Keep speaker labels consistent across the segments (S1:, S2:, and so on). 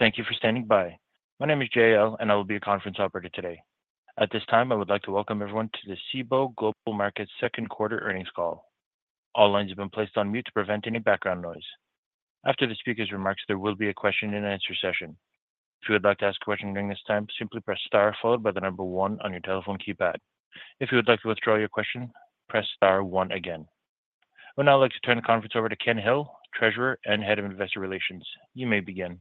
S1: Thank you for standing by. My name is J.L., and I will be your conference operator today. At this time, I would like to welcome everyone to the Cboe Global Markets' second quarter earnings call. All lines have been placed on mute to prevent any background noise. After the speaker's remarks, there will be a question-and-answer session. If you would like to ask a question during this time, simply press star followed by the number one on your telephone keypad. If you would like to withdraw your question, press star one again. I would now like to turn the conference over to Ken Hill, Treasurer and Head of Investor Relations. You may begin.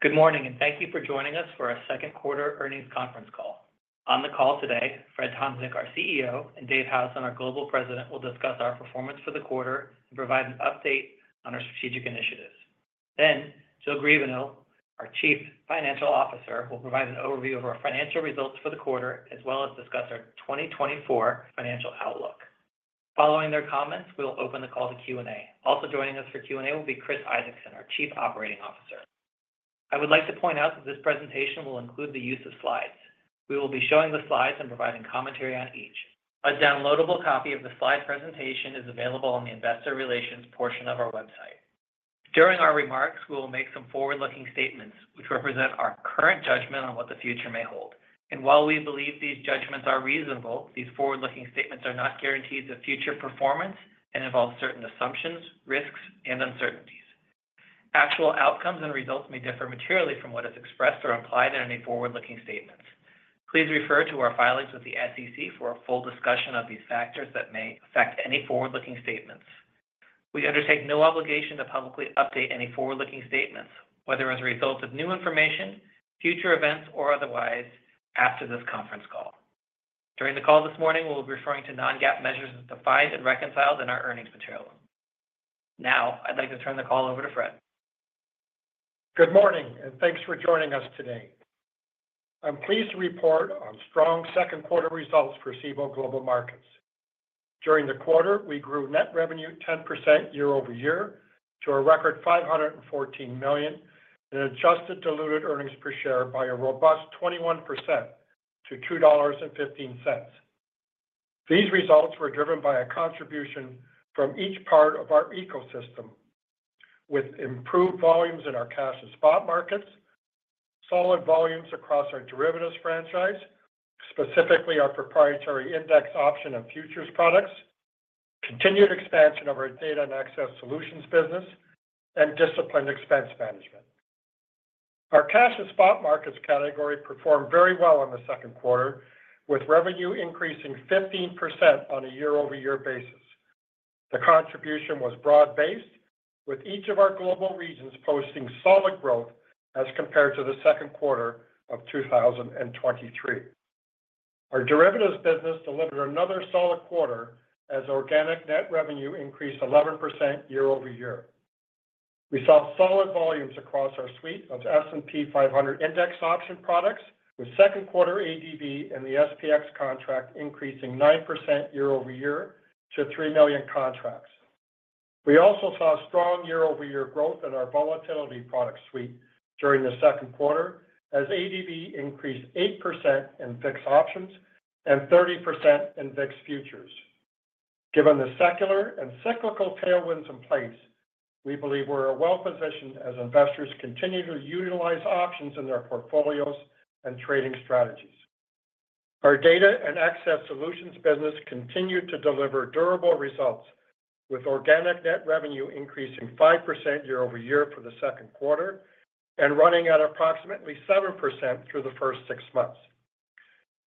S2: Good morning, and thank you for joining us for our second quarter earnings conference call. On the call today, Fred Tomczyk, our CEO, and Dave Howson, our Global President, will discuss our performance for the quarter and provide an update on our strategic initiatives. Then, Jill Griebenow, our Chief Financial Officer, will provide an overview of our financial results for the quarter, as well as discuss our 2024 financial outlook. Following their comments, we'll open the call to Q&A. Also joining us for Q&A will be Chris Isaacson, our Chief Operating Officer. I would like to point out that this presentation will include the use of slides. We will be showing the slides and providing commentary on each. A downloadable copy of the slide presentation is available on the Investor Relations portion of our website. During our remarks, we will make some forward-looking statements, which represent our current judgment on what the future may hold. While we believe these judgments are reasonable, these forward-looking statements are not guarantees of future performance and involve certain assumptions, risks, and uncertainties. Actual outcomes and results may differ materially from what is expressed or implied in any forward-looking statements. Please refer to our filings with the SEC for a full discussion of these factors that may affect any forward-looking statements. We undertake no obligation to publicly update any forward-looking statements, whether as a result of new information, future events, or otherwise, after this conference call. During the call this morning, we'll be referring to non-GAAP measures as defined and reconciled in our earnings material. Now, I'd like to turn the call over to Fred.
S3: Good morning, and thanks for joining us today. I'm pleased to report on strong second quarter results for Cboe Global Markets. During the quarter, we grew net revenue 10% year-over-year to a record $514 million and adjusted diluted earnings per share by a robust 21% to $2.15. These results were driven by a contribution from each part of our ecosystem, with improved volumes in our cash and spot markets, solid volumes across our derivatives franchise, specifically our proprietary Index Option and futures products, continued expansion of our data and access solutions business, and disciplined expense management. Our cash and spot markets category performed very well in the second quarter, with revenue increasing 15% on a year-over-year basis. The contribution was broad-based, with each of our global regions posting solid growth as compared to the second quarter of 2023. Our derivatives business delivered another solid quarter as organic net revenue increased 11% year-over-year. We saw solid volumes across our suite of S&P 500 Index Option products, with second quarter ADV and the SPX contract increasing 9% year-over-year to 3 million contracts. We also saw strong year-over-year growth in our volatility product suite during the second quarter as ADV increased 8% in VIX options and 30% in VIX Futures. Given the secular and cyclical tailwinds in place, we believe we're well-positioned as investors continue to utilize options in their portfolios and trading strategies. Our data and access solutions business continued to deliver durable results, with organic net revenue increasing 5% year-over-year for the second quarter and running at approximately 7% through the first six months.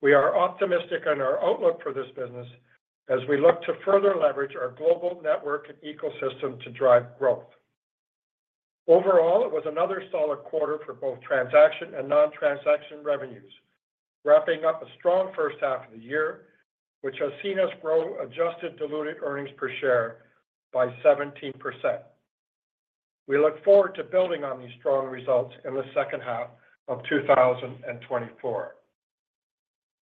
S3: We are optimistic in our outlook for this business as we look to further leverage our global network and ecosystem to drive growth. Overall, it was another solid quarter for both transaction and non-transaction revenues, wrapping up a strong first half of the year, which has seen us grow adjusted diluted earnings per share by 17%. We look forward to building on these strong results in the second half of 2024.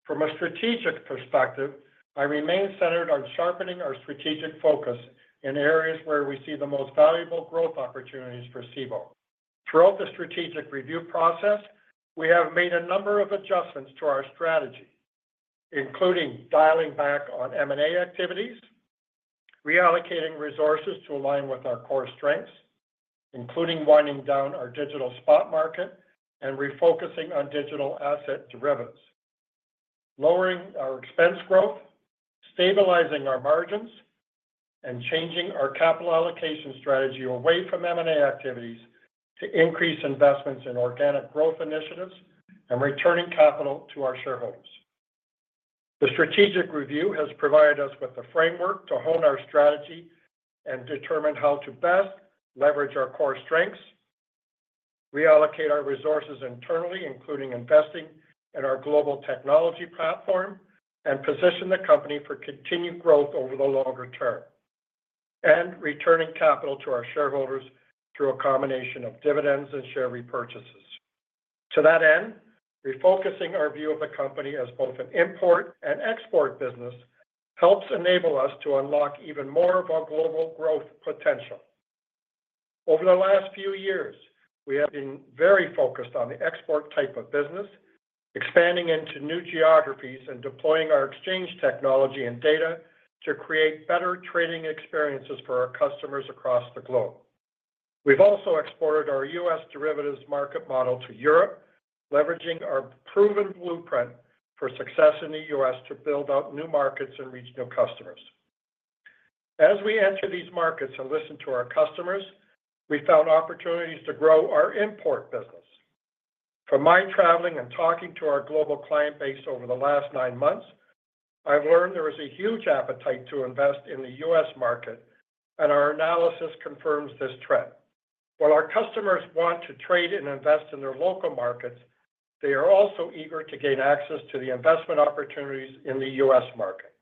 S3: From a strategic perspective, I remain centered on sharpening our strategic focus in areas where we see the most valuable growth opportunities for Cboe. Throughout the strategic review process, we have made a number of adjustments to our strategy, including dialing back on M&A activities, reallocating resources to align with our core strengths, including winding down our digital spot market and refocusing on digital asset derivatives, lowering our expense growth, stabilizing our margins, and changing our capital allocation strategy away from M&A activities to increase investments in organic growth initiatives and returning capital to our shareholders. The strategic review has provided us with the framework to hone our strategy and determine how to best leverage our core strengths, reallocate our resources internally, including investing in our global technology platform, and position the company for continued growth over the longer term, and returning capital to our shareholders through a combination of dividends and share repurchases. To that end, refocusing our view of the company as both an import and export business helps enable us to unlock even more of our global growth potential. Over the last few years, we have been very focused on the export type of business, expanding into new geographies and deploying our exchange technology and data to create better trading experiences for our customers across the globe. We've also exported our U.S. derivatives market model to Europe, leveraging our proven blueprint for success in the U.S. to build out new markets and reach new customers. As we enter these markets and listen to our customers, we found opportunities to grow our import business. From my traveling and talking to our global client base over the last nine months, I've learned there is a huge appetite to invest in the U.S. market, and our analysis confirms this trend. While our customers want to trade and invest in their local markets, they are also eager to gain access to the investment opportunities in the U.S. market.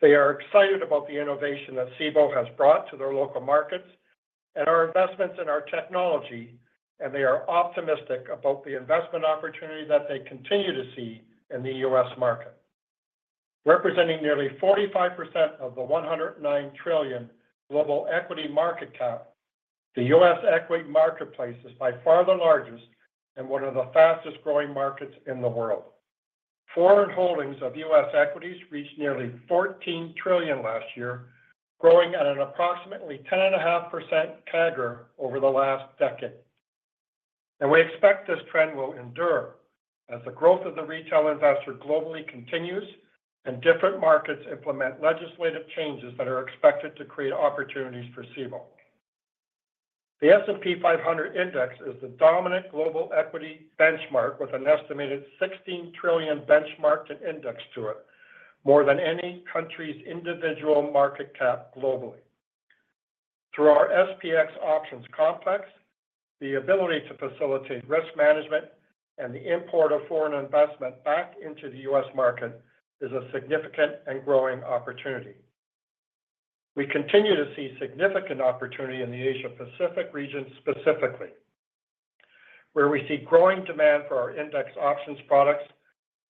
S3: They are excited about the innovation that Cboe has brought to their local markets and our investments in our technology, and they are optimistic about the investment opportunity that they continue to see in the U.S. market. Representing nearly 45% of the $109 trillion global equity market cap, the U.S. equity marketplace is by far the largest and one of the fastest-growing markets in the world. Foreign holdings of U.S. equities reached nearly $14 trillion last year, growing at an approximately 10.5% CAGR over the last decade. We expect this trend will endure as the growth of the retail investor globally continues and different markets implement legislative changes that are expected to create opportunities for Cboe. The S&P 500 Index is the dominant global equity benchmark with an estimated $16 trillion benchmarked and indexed to it, more than any country's individual market cap globally. Through our SPX options complex, the ability to facilitate risk management and the import of foreign investment back into the U.S. market is a significant and growing opportunity. We continue to see significant opportunity in the Asia-Pacific region specifically, where we see growing demand for our Index Options products,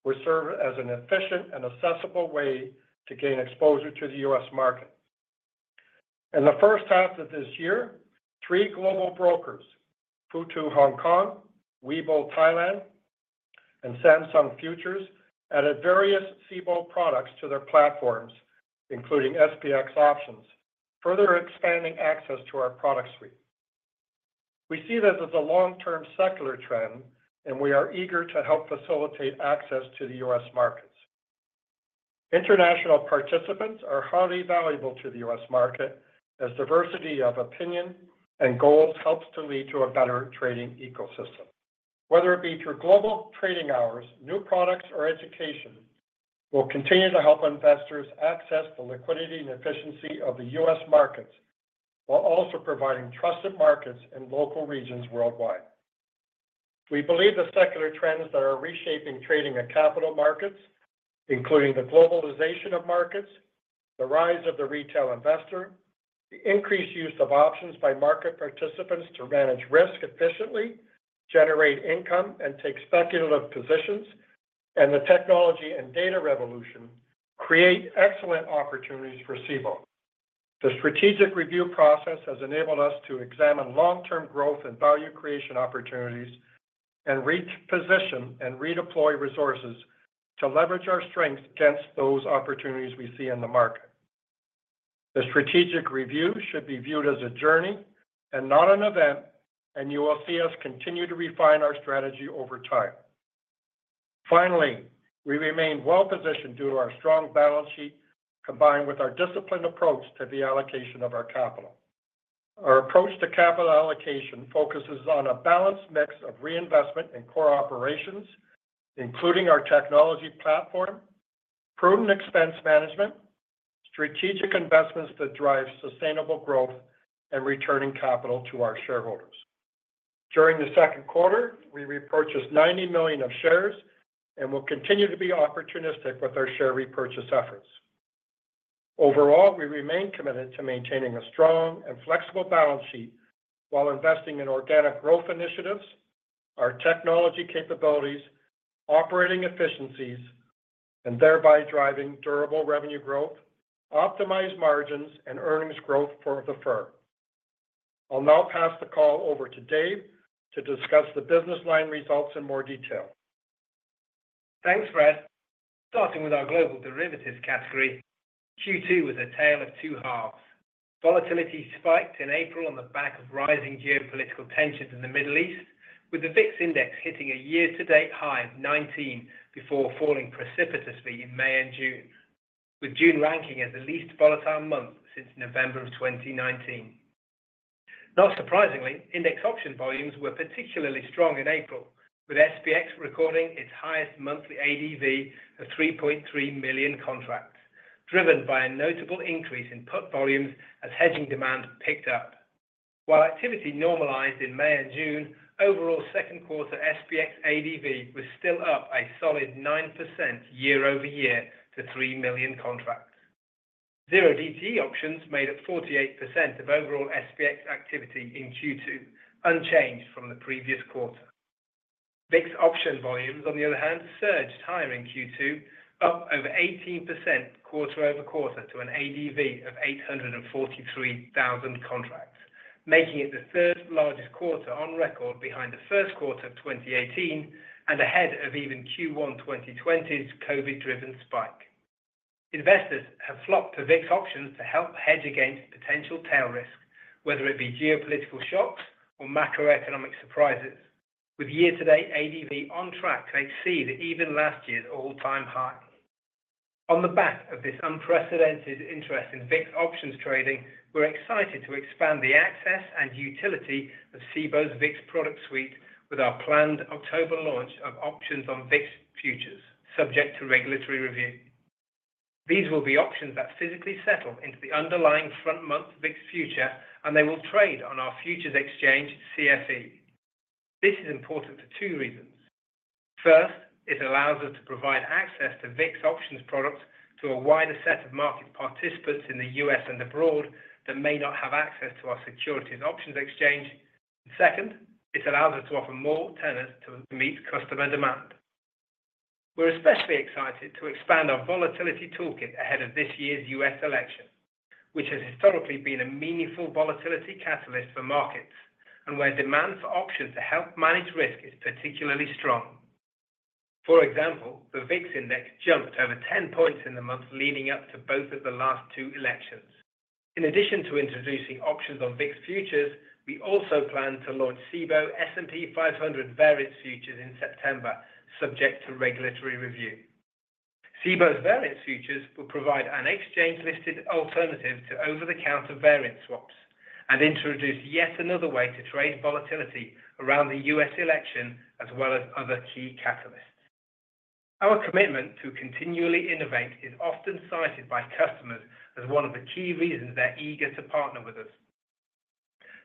S3: which serve as an efficient and accessible way to gain exposure to the U.S. market. In the first half of this year, three global brokers, Futu Hong Kong, Webull Thailand, and Samsung Futures, added various Cboe products to their platforms, including SPX options, further expanding access to our product suite. We see this as a long-term secular trend, and we are eager to help facilitate access to the U.S. markets. International participants are highly valuable to the U.S. market as diversity of opinion and goals helps to lead to a better trading ecosystem. Whether it be through Global Trading Hours, new products, or education, we'll continue to help investors access the liquidity and efficiency of the U.S. markets while also providing trusted markets in local regions worldwide. We believe the secular trends that are reshaping trading and capital markets, including the globalization of markets, the rise of the retail investor, the increased use of options by market participants to manage risk efficiently, generate income, and take speculative positions, and the technology and data revolution, create excellent opportunities for Cboe. The strategic review process has enabled us to examine long-term growth and value creation opportunities and reposition and redeploy resources to leverage our strengths against those opportunities we see in the market. The strategic review should be viewed as a journey and not an event, and you will see us continue to refine our strategy over time. Finally, we remain well-positioned due to our strong balance sheet combined with our disciplined approach to the allocation of our capital. Our approach to capital allocation focuses on a balanced mix of reinvestment and core operations, including our technology platform, prudent expense management, and strategic investments that drive sustainable growth and returning capital to our shareholders. During the second quarter, we repurchased 90 million of shares and will continue to be opportunistic with our share repurchase efforts. Overall, we remain committed to maintaining a strong and flexible balance sheet while investing in organic growth initiatives, our technology capabilities, operating efficiencies, and thereby driving durable revenue growth, optimized margins, and earnings growth for the firm. I'll now pass the call over to Dave to discuss the business line results in more detail.
S4: Thanks, Fred. Starting with our global derivatives category, Q2 was a tale of two halves. Volatility spiked in April on the back of rising geopolitical tensions in the Middle East, with the VIX Index hitting a year-to-date high of 19 before falling precipitously in May and June, with June ranking as the least volatile month since November of 2019. Not surprisingly, Index Option volumes were particularly strong in April, with SPX recording its highest monthly ADV of 3.3 million contracts, driven by a notable increase in put volumes as hedging demand picked up. While activity normalized in May and June, overall second quarter SPX ADV was still up a solid 9% year-over-year to 3 million contracts. 0DTE options made up 48% of overall SPX activity in Q2, unchanged from the previous quarter. VIX options volumes, on the other hand, surged higher in Q2, up over 18% quarter-over-quarter to an ADV of 843,000 contracts, making it the third largest quarter on record behind the first quarter of 2018 and ahead of even Q1 2020's COVID-driven spike. Investors have flocked to VIX options to help hedge against potential tail risk, whether it be geopolitical shocks or macroeconomic surprises, with year-to-date ADV on track to exceed even last year's all-time high. On the back of this unprecedented interest in VIX options trading, we're excited to expand the access and utility of Cboe's VIX product suite with our planned October launch of options on VIX Futures, subject to regulatory review. These will be options that physically settle into the underlying front-month VIX Future, and they will trade on our futures exchange, CFE. This is important for two reasons. First, it allows us to provide access to VIX options products to a wider set of market participants in the U.S. and abroad that may not have access to our securities options exchange. And second, it allows us to offer more tenors to meet customer demand. We're especially excited to expand our volatility toolkit ahead of this year's U.S. election, which has historically been a meaningful volatility catalyst for markets and where demand for options to help manage risk is particularly strong. For example, the VIX Index jumped over 10 points in the month leading up to both of the last two elections. In addition to introducing options on VIX Futures, we also plan to launch Cboe S&P 500 Variance Futures in September, subject to regulatory review. Cboe's variance futures will provide an exchange-listed alternative to over-the-counter variance swaps and introduce yet another way to trade volatility around the U.S. Election as well as other key catalysts. Our commitment to continually innovate is often cited by customers as one of the key reasons they're eager to partner with us.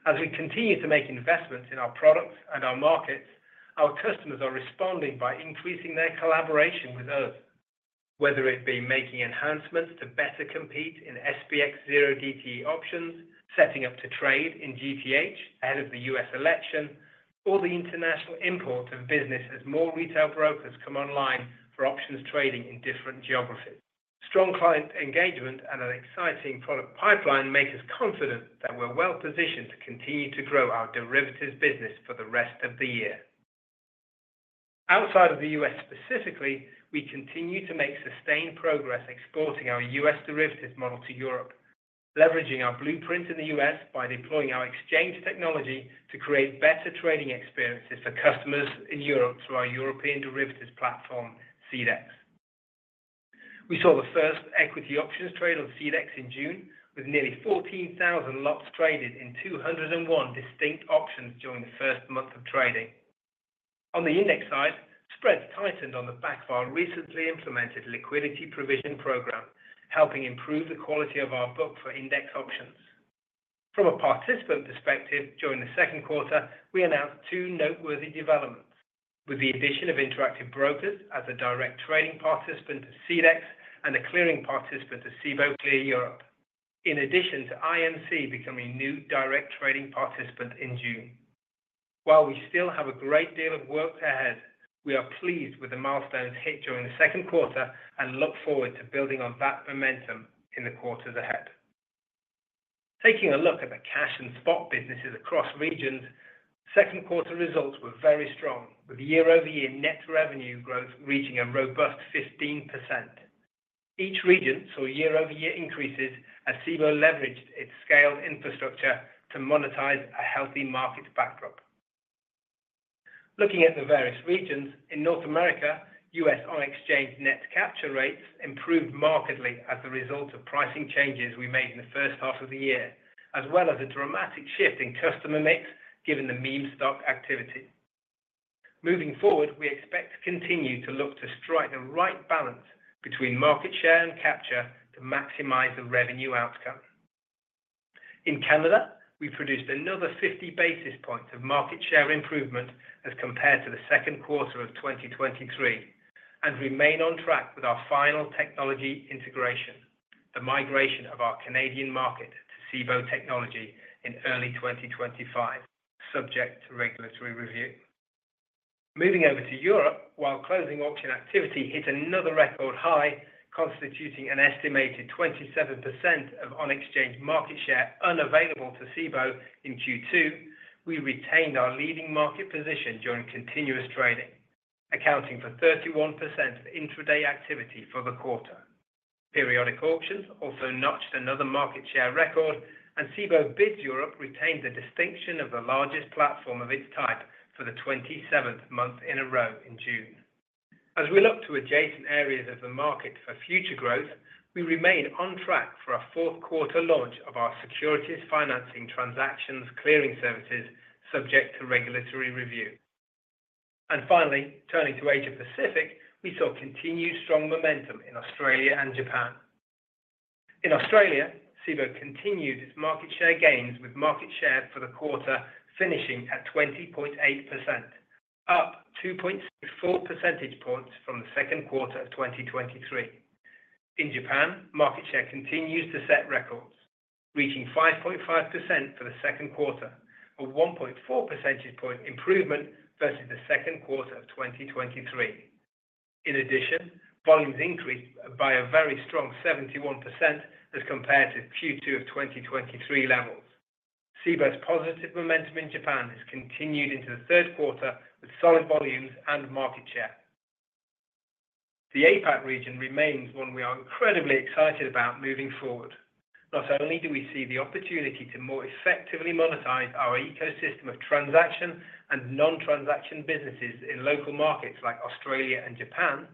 S4: As we continue to make investments in our products and our markets, our customers are responding by increasing their collaboration with us, whether it be making enhancements to better compete in SPX 0DTE options, setting up to trade in GTH ahead of the U.S. election, or the international imprint of business as more retail brokers come online for options trading in different geographies. Strong client engagement and an exciting product pipeline make us confident that we're well-positioned to continue to grow our derivatives business for the rest of the year. Outside of the U.S. specifically, we continue to make sustained progress exporting our U.S. derivatives model to Europe, leveraging our blueprint in the U.S. by deploying our exchange technology to create better trading experiences for customers in Europe through our European derivatives platform, CEDX. We saw the first equity options trade on CEDX in June, with nearly 14,000 lots traded in 201 distinct options during the first month of trading. On the index side, spreads tightened on the back of our recently implemented liquidity provision program, helping improve the quality of our book for Index Options. From a participant perspective, during the second quarter, we announced two noteworthy developments, with the addition of Interactive Brokers as a direct trading participant to CEDX and a clearing participant to Cboe Clear Europe, in addition to IMC becoming new direct trading participant in June. While we still have a great deal of work ahead, we are pleased with the milestones hit during the second quarter and look forward to building on that momentum in the quarters ahead. Taking a look at the cash and spot businesses across regions, second quarter results were very strong, with year-over-year net revenue growth reaching a robust 15%. Each region saw year-over-year increases as Cboe leveraged its scaled infrastructure to monetize a healthy market backdrop. Looking at the various regions, in North America, U.S. on-exchange net capture rates improved markedly as a result of pricing changes we made in the first half of the year, as well as a dramatic shift in customer mix given the meme stock activity. Moving forward, we expect to continue to look to strike the right balance between market share and capture to maximize the revenue outcome. In Canada, we produced another 50 basis points of market share improvement as compared to the second quarter of 2023 and remain on track with our final technology integration, the migration of our Canadian market to Cboe Technology in early 2025, subject to regulatory review. Moving over to Europe, while closing auction activity hit another record high, constituting an estimated 27% of on-exchange market share unavailable to Cboe in Q2, we retained our leading market position during continuous trading, accounting for 31% of intraday activity for the quarter. Periodic auctions also notched another market share record, and Cboe BIDS Europe retained the distinction of the largest platform of its type for the 27th month in a row in June. As we look to adjacent areas of the market for future growth, we remain on track for our fourth quarter launch of our securities financing transactions clearing services, subject to regulatory review. Finally, turning to Asia-Pacific, we saw continued strong momentum in Australia and Japan. In Australia, Cboe continued its market share gains, with market share for the quarter finishing at 20.8%, up 2.64 percentage points from the second quarter of 2023. In Japan, market share continues to set records, reaching 5.5% for the second quarter, a 1.4 percentage point improvement versus the second quarter of 2023. In addition, volumes increased by a very strong 71% as compared to Q2 of 2023 levels. Cboe's positive momentum in Japan has continued into the third quarter with solid volumes and market share. The APAC region remains one we are incredibly excited about moving forward. Not only do we see the opportunity to more effectively monetize our ecosystem of transaction and non-transaction businesses in local markets like Australia and Japan,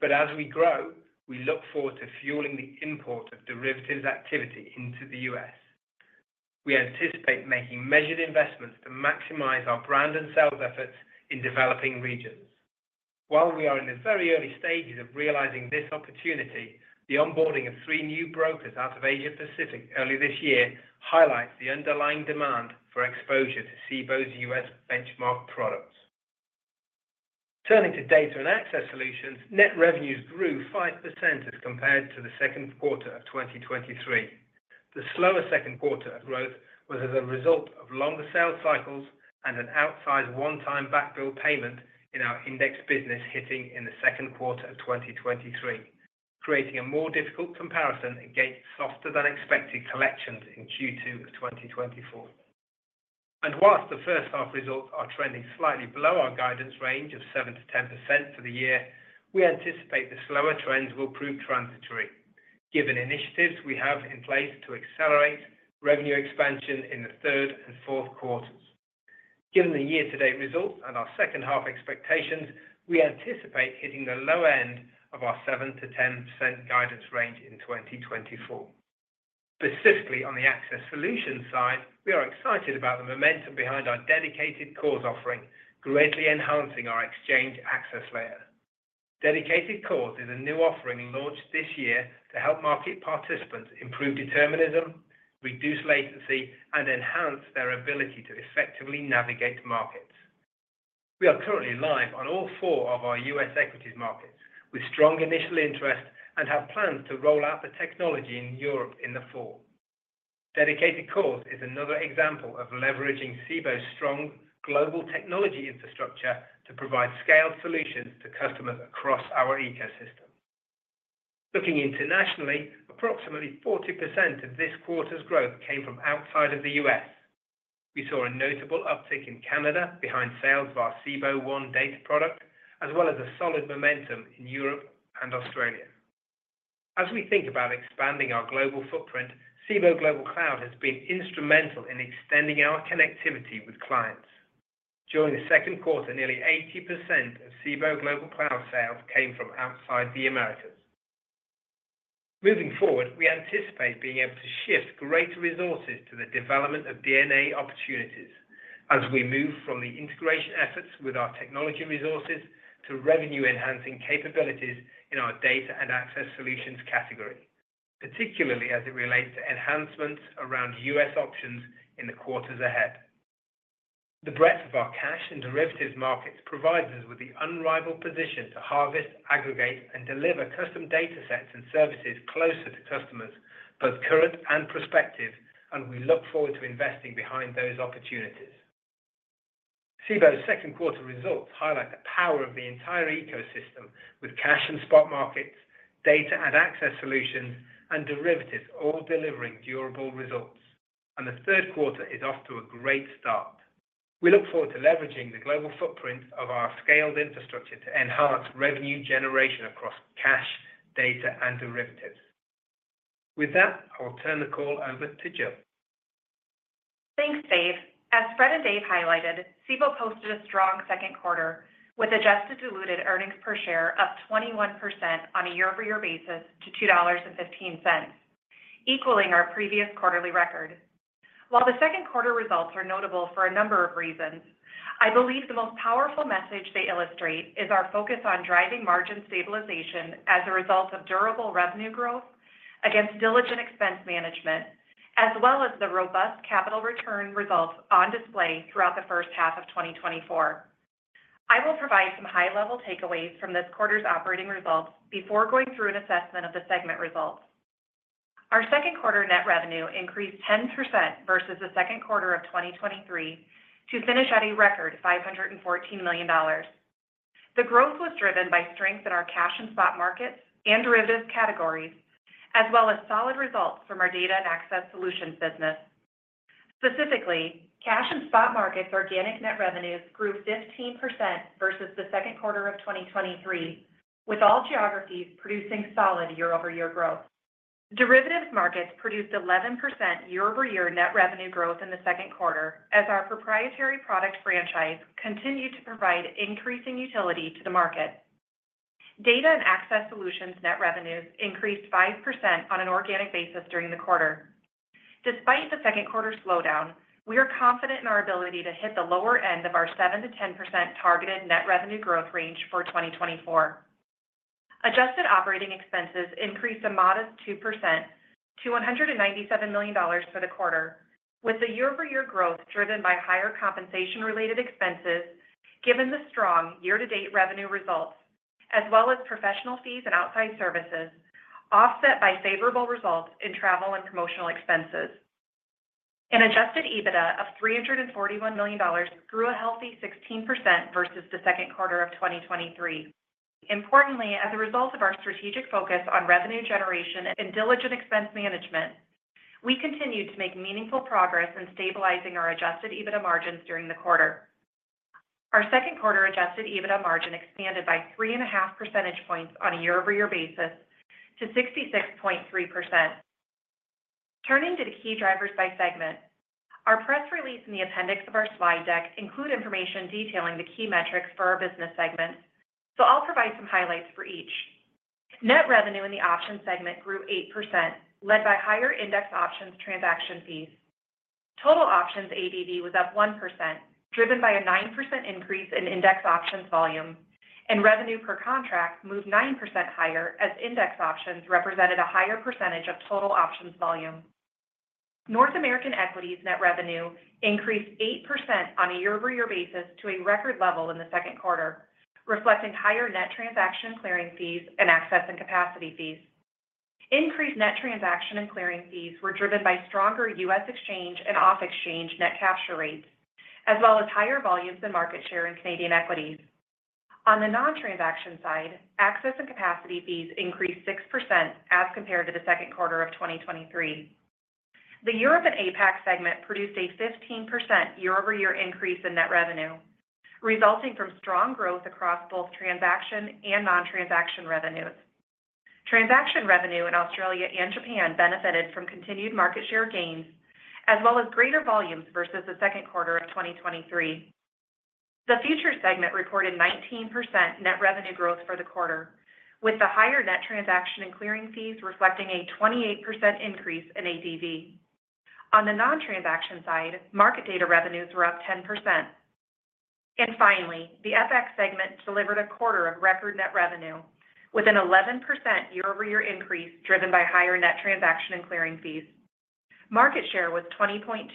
S4: but as we grow, we look forward to fueling the import of derivatives activity into the U.S. We anticipate making measured investments to maximize our brand and sales efforts in developing regions. While we are in the very early stages of realizing this opportunity, the onboarding of three new brokers out of Asia-Pacific early this year highlights the underlying demand for exposure to Cboe's U.S. benchmark products. Turning to data and access solutions, net revenues grew 5% as compared to the second quarter of 2023. The slower second quarter of growth was as a result of longer sales cycles and an outsized one-time backbill payment in our index business hitting in the second quarter of 2023, creating a more difficult comparison against softer-than-expected collections in Q2 of 2024. While the first half results are trending slightly below our guidance range of 7%-10% for the year, we anticipate the slower trends will prove transitory, given initiatives we have in place to accelerate revenue expansion in the third and fourth quarters. Given the year-to-date results and our second half expectations, we anticipate hitting the lower end of our 7%-10% guidance range in 2024. Specifically on the access solutions side, we are excited about the momentum behind our Dedicated Cores offering, greatly enhancing our exchange access layer. Dedicated Cores is a new offering launched this year to help market participants improve determinism, reduce latency, and enhance their ability to effectively navigate markets. We are currently live on all four of our U.S. equities markets, with strong initial interest, and have plans to roll out the technology in Europe in the fall. Cboe Dedicated Cores is another example of leveraging Cboe's strong global technology infrastructure to provide scaled solutions to customers across our ecosystem. Looking internationally, approximately 40% of this quarter's growth came from outside of the U.S. We saw a notable uptick in Canada behind sales via Cboe One data product, as well as a solid momentum in Europe and Australia. As we think about expanding our global footprint, Cboe Global Cloud has been instrumental in extending our connectivity with clients. During the second quarter, nearly 80% of Cboe Global Cloud sales came from outside the Americas. Moving forward, we anticipate being able to shift greater resources to the development of D&A opportunities as we move from the integration efforts with our technology resources to revenue-enhancing capabilities in our data and access solutions category, particularly as it relates to enhancements around U.S. options in the quarters ahead. The breadth of our cash and derivatives markets provides us with the unrivaled position to harvest, aggregate, and deliver custom data sets and services closer to customers, both current and prospective, and we look forward to investing behind those opportunities. Cboe's second quarter results highlight the power of the entire ecosystem with cash and spot markets, data and access solutions, and derivatives all delivering durable results, and the third quarter is off to a great start. We look forward to leveraging the global footprint of our scaled infrastructure to enhance revenue generation across cash, data, and derivatives. With that, I will turn the call over to Jill.
S5: Thanks, Dave. As Fred and Dave highlighted, Cboe posted a strong second quarter with adjusted diluted earnings per share up 21% on a year-over-year basis to $2.15, equaling our previous quarterly record. While the second quarter results are notable for a number of reasons, I believe the most powerful message they illustrate is our focus on driving margin stabilization as a result of durable revenue growth against diligent expense management, as well as the robust capital return results on display throughout the first half of 2024. I will provide some high-level takeaways from this quarter's operating results before going through an assessment of the segment results. Our second quarter net revenue increased 10% versus the second quarter of 2023 to finish at a record $514 million. The growth was driven by strength in our cash and spot markets and derivatives categories, as well as solid results from our data and access solutions business. Specifically, cash and spot markets' organic net revenues grew 15% versus the second quarter of 2023, with all geographies producing solid year-over-year growth. Derivatives markets produced 11% year-over-year net revenue growth in the second quarter as our proprietary product franchise continued to provide increasing utility to the market. Data and access solutions net revenues increased 5% on an organic basis during the quarter. Despite the second quarter slowdown, we are confident in our ability to hit the lower end of our 7%-10% targeted net revenue growth range for 2024. Adjusted operating expenses increased a modest 2% to $197 million for the quarter, with the year-over-year growth driven by higher compensation-related expenses given the strong year-to-date revenue results, as well as professional fees and outside services offset by favorable results in travel and promotional expenses. An Adjusted EBITDA of $341 million grew a healthy 16% versus the second quarter of 2023. Importantly, as a result of our strategic focus on revenue generation and diligent expense management, we continued to make meaningful progress in stabilizing our Adjusted EBITDA margins during the quarter. Our second quarter Adjusted EBITDA margin expanded by 3.5 percentage points on a year-over-year basis to 66.3%. Turning to the key drivers by segment, our press release and the appendix of our slide deck include information detailing the key metrics for our business segments, so I'll provide some highlights for each. Net revenue in the Options segment grew 8%, led by higher Index Options transaction fees. Total options ADV was up 1%, driven by a 9% increase in Index Options volume, and revenue per contract moved 9% higher as Index Options represented a higher percentage of total options volume. North American equities net revenue increased 8% on a year-over-year basis to a record level in the second quarter, reflecting higher net transaction clearing fees and access and capacity fees. Increased net transaction and clearing fees were driven by stronger U.S. exchange and off-exchange net capture rates, as well as higher volumes and market share in Canadian equities. On the non-transaction side, access and capacity fees increased 6% as compared to the second quarter of 2023. The Europe and APAC segment produced a 15% year-over-year increase in net revenue, resulting from strong growth across both transaction and non-transaction revenues. Transaction revenue in Australia and Japan benefited from continued market share gains, as well as greater volumes versus the second quarter of 2023. The Futures segment reported 19% net revenue growth for the quarter, with the higher net transaction and clearing fees reflecting a 28% increase in ADV. On the non-transaction side, market data revenues were up 10%. Finally, the FX segment delivered a quarter of record net revenue, with an 11% year-over-year increase driven by higher net transaction and clearing fees. Market share was 20.2%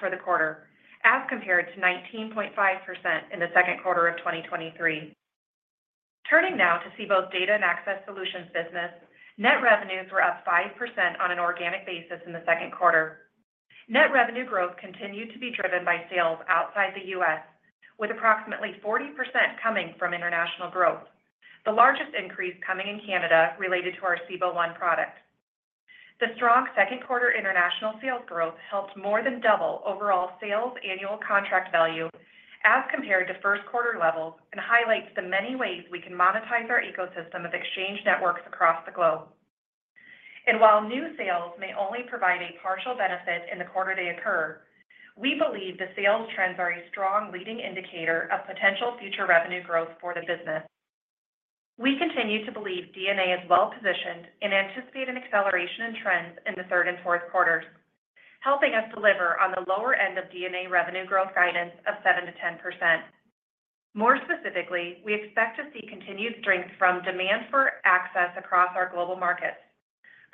S5: for the quarter, as compared to 19.5% in the second quarter of 2023. Turning now to Cboe's data and access solutions business, net revenues were up 5% on an organic basis in the second quarter. Net revenue growth continued to be driven by sales outside the U.S., with approximately 40% coming from international growth, the largest increase coming in Canada related to our Cboe One product. The strong second quarter international sales growth helped more than double overall sales annual contract value as compared to first quarter levels and highlights the many ways we can monetize our ecosystem of exchange networks across the globe. While new sales may only provide a partial benefit in the quarter they occur, we believe the sales trends are a strong leading indicator of potential future revenue growth for the business. We continue to believe D&A is well positioned and anticipate an acceleration in trends in the third and fourth quarters, helping us deliver on the lower end of D&A revenue growth guidance of 7%-10%. More specifically, we expect to see continued strength from demand for access across our global markets,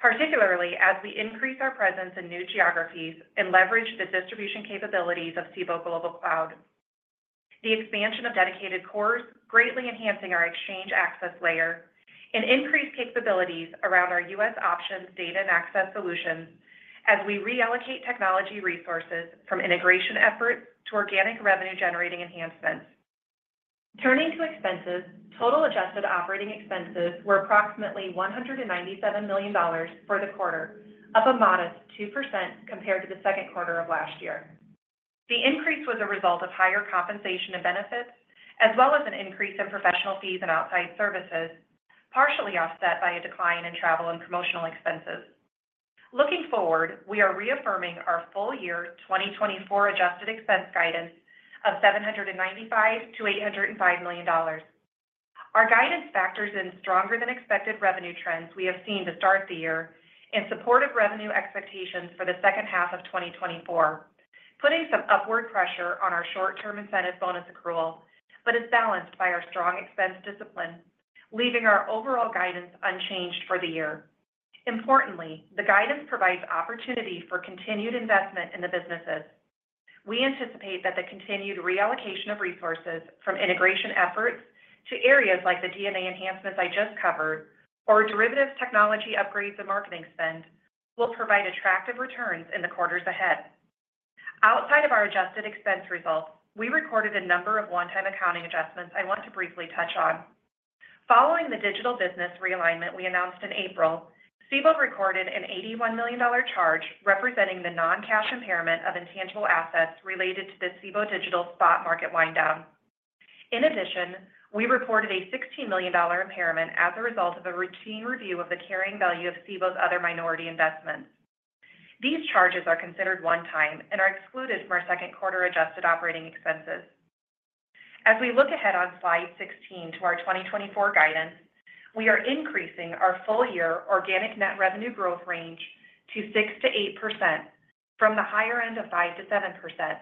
S5: particularly as we increase our presence in new geographies and leverage the distribution capabilities of Cboe Global Cloud. The expansion of Dedicated Cores greatly enhancing our exchange access layer and increased capabilities around our U.S. options data and access solutions as we reallocate technology resources from integration efforts to organic revenue-generating enhancements. Turning to expenses, total adjusted operating expenses were approximately $197 million for the quarter, up a modest 2% compared to the second quarter of last year. The increase was a result of higher compensation and benefits, as well as an increase in professional fees and outside services, partially offset by a decline in travel and promotional expenses. Looking forward, we are reaffirming our full year 2024 adjusted expense guidance of $795 million-$805 million. Our guidance factors in stronger-than-expected revenue trends we have seen to start the year in support of revenue expectations for the second half of 2024, putting some upward pressure on our short-term incentive bonus accrual, but it's balanced by our strong expense discipline, leaving our overall guidance unchanged for the year. Importantly, the guidance provides opportunity for continued investment in the businesses. We anticipate that the continued reallocation of resources from integration efforts to areas like the D&A enhancements I just covered or derivatives technology upgrades and marketing spend will provide attractive returns in the quarters ahead. Outside of our adjusted expense results, we recorded a number of one-time accounting adjustments I want to briefly touch on. Following the digital business realignment we announced in April, Cboe recorded an $81 million charge representing the non-cash impairment of intangible assets related to the Cboe Digital Spot Market wind-down. In addition, we reported a $16 million impairment as a result of a routine review of the carrying value of Cboe's other minority investments. These charges are considered one-time and are excluded from our second quarter adjusted operating expenses. As we look ahead on slide 16 to our 2024 guidance, we are increasing our full year organic net revenue growth range to 6%-8% from the higher end of 5%-7%.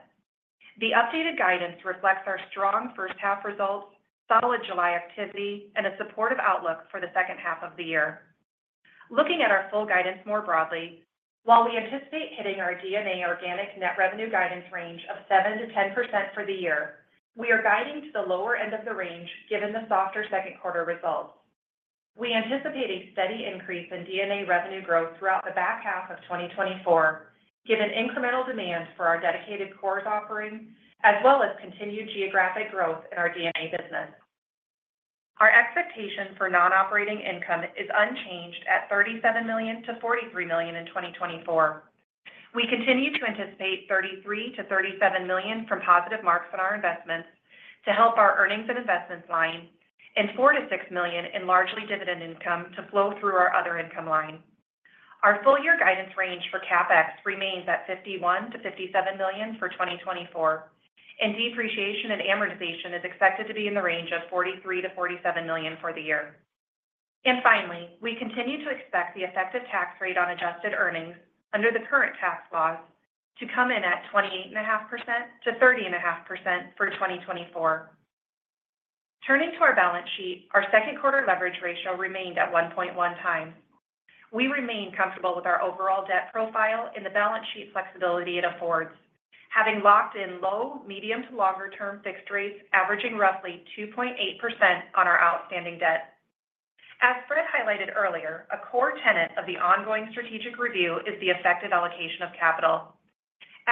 S5: The updated guidance reflects our strong first half results, solid July activity, and a supportive outlook for the second half of the year. Looking at our full guidance more broadly, while we anticipate hitting our D&A organic net revenue guidance range of 7%-10% for the year, we are guiding to the lower end of the range given the softer second quarter results. We anticipate a steady increase in D&A revenue growth throughout the back half of 2024, given incremental demand for our Dedicated Cores offering, as well as continued geographic growth in our D&A business. Our expectation for non-operating income is unchanged at $37 million-$43 million in 2024. We continue to anticipate $33-$37 million from positive marks on our investments to help our earnings and investments line, and $4-$6 million in largely dividend income to flow through our other income line. Our full year guidance range for CapEx remains at $51-$57 million for 2024, and depreciation and amortization is expected to be in the range of $43-$47 million for the year. And finally, we continue to expect the effective tax rate on adjusted earnings under the current tax laws to come in at 28.5%-30.5% for 2024. Turning to our balance sheet, our second quarter leverage ratio remained at 1.1x. We remain comfortable with our overall debt profile and the balance sheet flexibility it affords, having locked in low, medium to longer-term fixed rates averaging roughly 2.8% on our outstanding debt. As Fred highlighted earlier, a core tenet of the ongoing strategic review is the effective allocation of capital.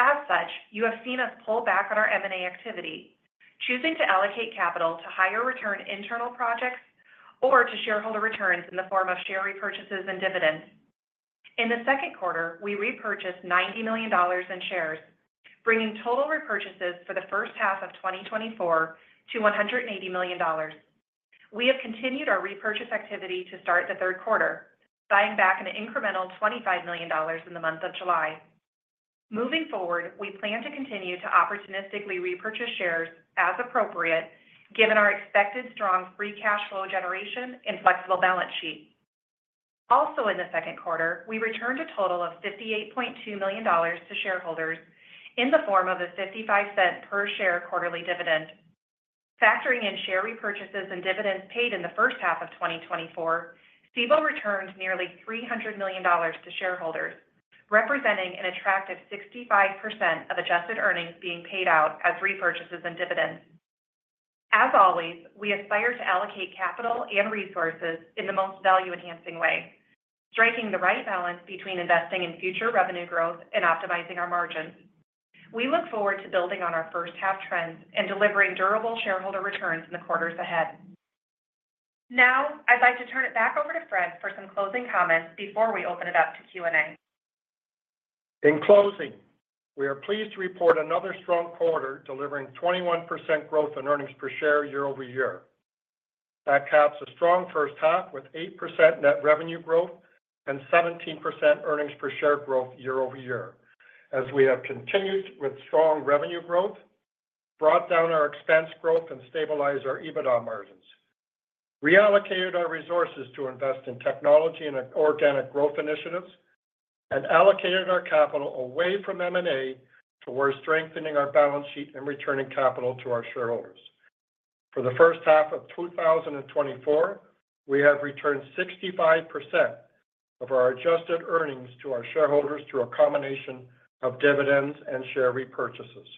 S5: As such, you have seen us pull back on our M&A activity, choosing to allocate capital to higher-return internal projects or to shareholder returns in the form of share repurchases and dividends. In the second quarter, we repurchased $90 million in shares, bringing total repurchases for the first half of 2024 to $180 million. We have continued our repurchase activity to start the third quarter, buying back an incremental $25 million in the month of July. Moving forward, we plan to continue to opportunistically repurchase shares as appropriate, given our expected strong free cash flow generation and flexible balance sheet. Also, in the second quarter, we returned a total of $58.2 million to shareholders in the form of a $0.55 per share quarterly dividend. Factoring in share repurchases and dividends paid in the first half of 2024, Cboe returned nearly $300 million to shareholders, representing an attractive 65% of adjusted earnings being paid out as repurchases and dividends. As always, we aspire to allocate capital and resources in the most value-enhancing way, striking the right balance between investing in future revenue growth and optimizing our margins. We look forward to building on our first half trends and delivering durable shareholder returns in the quarters ahead. Now, I'd like to turn it back over to Fred for some closing comments before we open it up to Q&A.
S3: In closing, we are pleased to report another strong quarter delivering 21% growth in earnings per share year-over-year. That caps a strong first half with 8% net revenue growth and 17% earnings per share growth year-over-year, as we have continued with strong revenue growth, brought down our expense growth, and stabilized our EBITDA margins. We allocated our resources to invest in technology and organic growth initiatives and allocated our capital away from M&A towards strengthening our balance sheet and returning capital to our shareholders. For the first half of 2024, we have returned 65% of our adjusted earnings to our shareholders through a combination of dividends and share repurchases.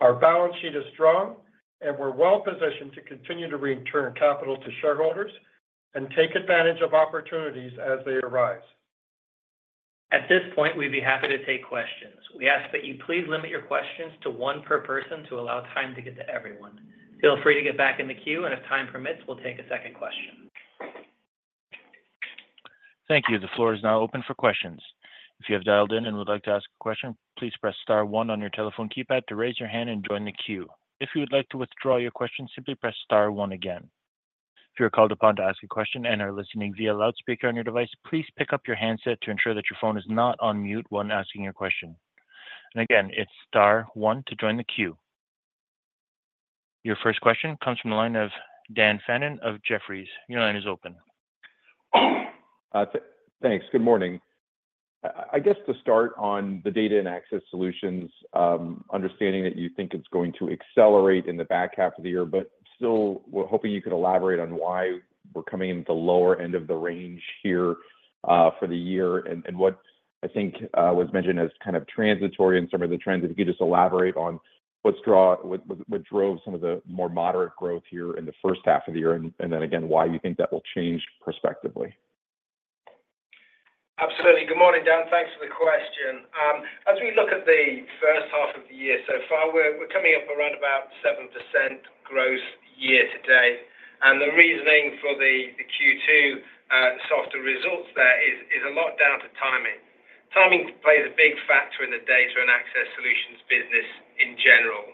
S3: Our balance sheet is strong, and we're well positioned to continue to return capital to shareholders and take advantage of opportunities as they arise.
S2: At this point, we'd be happy to take questions. We ask that you please limit your questions to one per person to allow time to get to everyone. Feel free to get back in the queue, and if time permits, we'll take a second question.
S1: Thank you. The floor is now open for questions. If you have dialed in and would like to ask a question, please press star one on your telephone keypad to raise your hand and join the queue. If you would like to withdraw your question, simply press star one again. If you're called upon to ask a question and are listening via loudspeaker on your device, please pick up your handset to ensure that your phone is not on mute when asking your question. And again, it's star one to join the queue. Your first question comes from the line of Dan Fannon of Jefferies. Your line is open.
S6: Thanks. Good morning. I guess to start on the data and access solutions, understanding that you think it's going to accelerate in the back half of the year, but still hoping you could elaborate on why we're coming into the lower end of the range here for the year and what I think was mentioned as kind of transitory in some of the trends. If you could just elaborate on what drove some of the more moderate growth here in the first half of the year and then again, why you think that will change prospectively.
S4: Absolutely. Good morning, Dan. Thanks for the question. As we look at the first half of the year so far, we're coming up around about 7% growth year-to-date. And the reasoning for the Q2 softer results there is a lot down to timing. Timing plays a big factor in the data and access solutions business in general.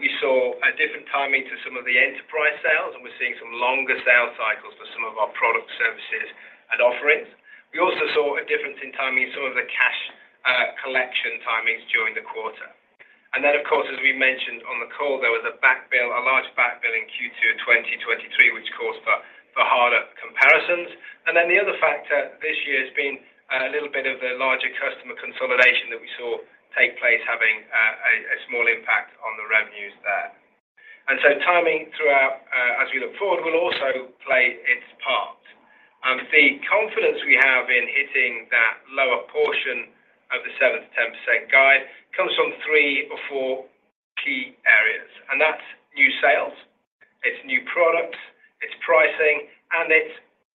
S4: We saw a different timing to some of the enterprise sales, and we're seeing some longer sales cycles for some of our product services and offerings. We also saw a difference in timing in some of the cash collection timings during the quarter. And then, of course, as we mentioned on the call, there was a large backbill in Q2 of 2023, which caused for harder comparisons. And then the other factor this year has been a little bit of the larger customer consolidation that we saw take place, having a small impact on the revenues there. And so timing throughout as we look forward will also play its part. The confidence we have in hitting that lower portion of the 7%-10% guide comes from three or four key areas. That's new sales, it's new products, it's pricing, and it's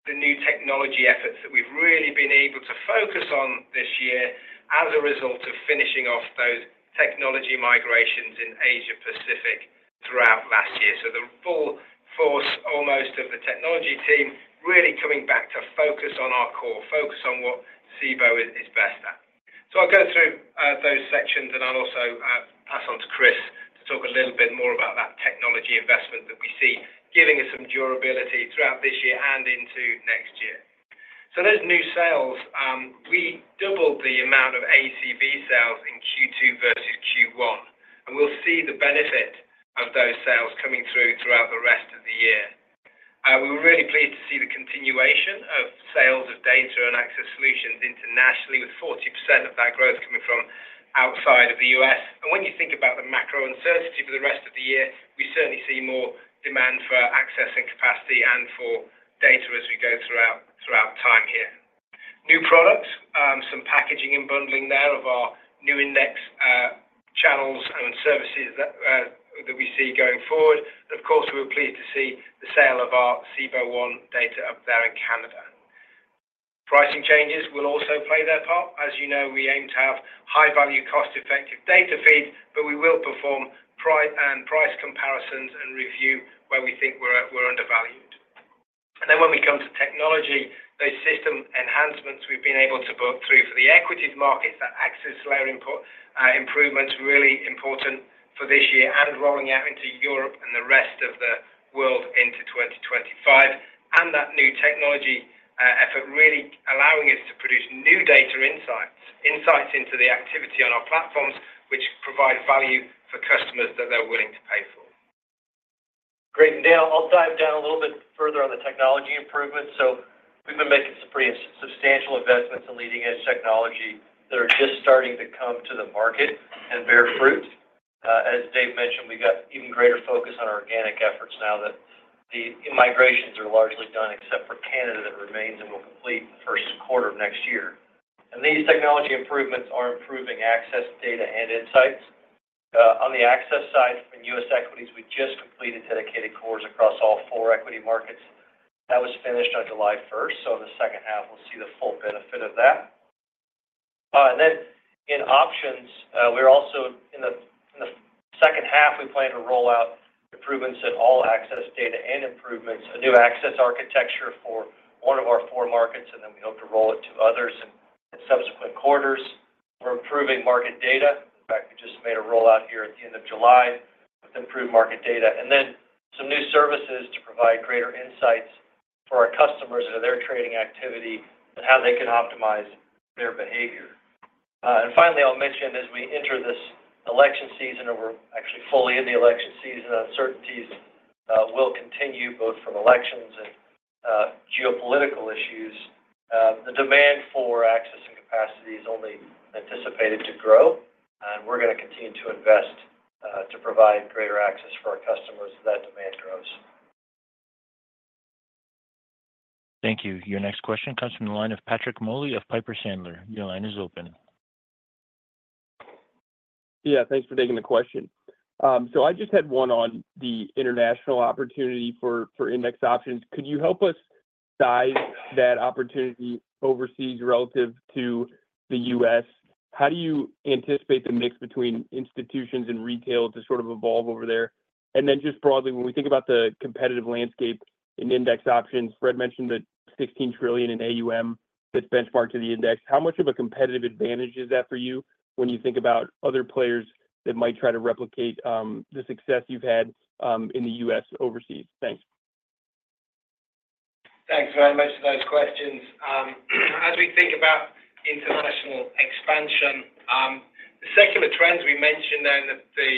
S4: the new technology efforts that we've really been able to focus on this year as a result of finishing off those technology migrations in Asia-Pacific throughout last year. The full force almost of the technology team really coming back to focus on our core, focus on what Cboe is best at. I'll go through those sections, and I'll also pass on to Chris to talk a little bit more about that technology investment that we see giving us some durability throughout this year and into next year. Those new sales, we doubled the amount of ACV sales in Q2 versus Q1, and we'll see the benefit of those sales coming through throughout the rest of the year. We were really pleased to see the continuation of sales of data and access solutions internationally, with 40% of that growth coming from outside of the U.S. And when you think about the macro uncertainty for the rest of the year, we certainly see more demand for access and capacity and for data as we go throughout time here. New products, some packaging and bundling there of our new index channels and services that we see going forward. And of course, we were pleased to see the sale of our Cboe One data up there in Canada. Pricing changes will also play their part. As you know, we aim to have high-value, cost-effective data feeds, but we will perform price comparisons and review where we think we're undervalued. And then when we come to technology, those system enhancements we've been able to work through for the equities markets, that access layer improvements, really important for this year and rolling out into Europe and the rest of the world into 2025. And that new technology effort really allowing us to produce new data insights, insights into the activity on our platforms, which provide value for customers that they're willing to pay for.
S7: Great Dave. I'll dive down a little bit further on the technology improvements. So we've been making some pretty substantial investments in leading-edge technology that are just starting to come to the market and bear fruit. As Dave mentioned, we've got even greater focus on organic efforts now that the migrations are largely done, except for Canada that remains and will complete the first quarter of next year. These technology improvements are improving access, data, and insights. On the access side in U.S. equities, we just completed Dedicated Cores across all four equity markets. That was finished on July 1. In the second half, we'll see the full benefit of that. And then in options, we're also in the second half, we plan to roll out improvements in all access data and improvements, a new access architecture for one of our four markets, and then we hope to roll it to others in subsequent quarters. We're improving market data. In fact, we just made a rollout here at the end of July with improved market data. And then some new services to provide greater insights for our customers and their trading activity and how they can optimize their behavior. And finally, I'll mention as we enter this election season, or we're actually fully in the election season, uncertainties will continue both from elections and geopolitical issues. The demand for access and capacity is only anticipated to grow, and we're going to continue to invest to provide greater access for our customers as that demand grows.
S1: Thank you. Your next question comes from the line of Patrick Moley of Piper Sandler. Your line is open.
S8: Yeah. Thanks for taking the question. So I just had one on the international opportunity for Index Options. Could you help us size that opportunity overseas relative to the U.S.? How do you anticipate the mix between institutions and retail to sort of evolve over there? And then just broadly, when we think about the competitive landscape in Index Options, Fred mentioned that $16 trillion in AUM that's benchmarked to the index. How much of a competitive advantage is that for you when you think about other players that might try to replicate the success you've had in the U.S. overseas? Thanks.
S4: Thanks very much for those questions. As we think about international expansion, the secular trends we mentioned there in the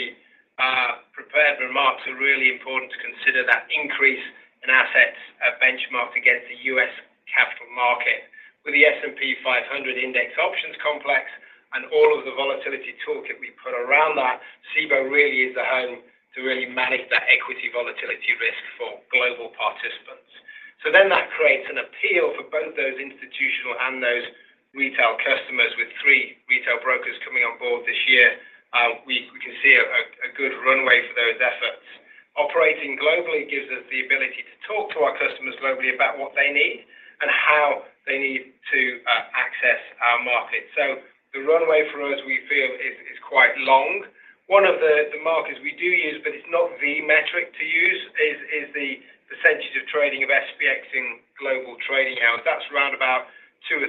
S4: prepared remarks are really important to consider that increase in assets benchmarked against the U.S. capital market. With the S&P 500 Index Options complex and all of the volatility toolkit we put around that, Cboe really is the home to really manage that equity volatility risk for global participants. So then that creates an appeal for both those institutional and those retail customers with three retail brokers coming onboard this year. We can see a good runway for those efforts. Operating globally gives us the ability to talk to our customers globally about what they need and how they need to access our market. So the runway for us, we feel, is quite long. One of the markers we do use, but it's not the metric to use, is the percentage of trading of SPX in Global Trading Hours. That's around about 2%-3%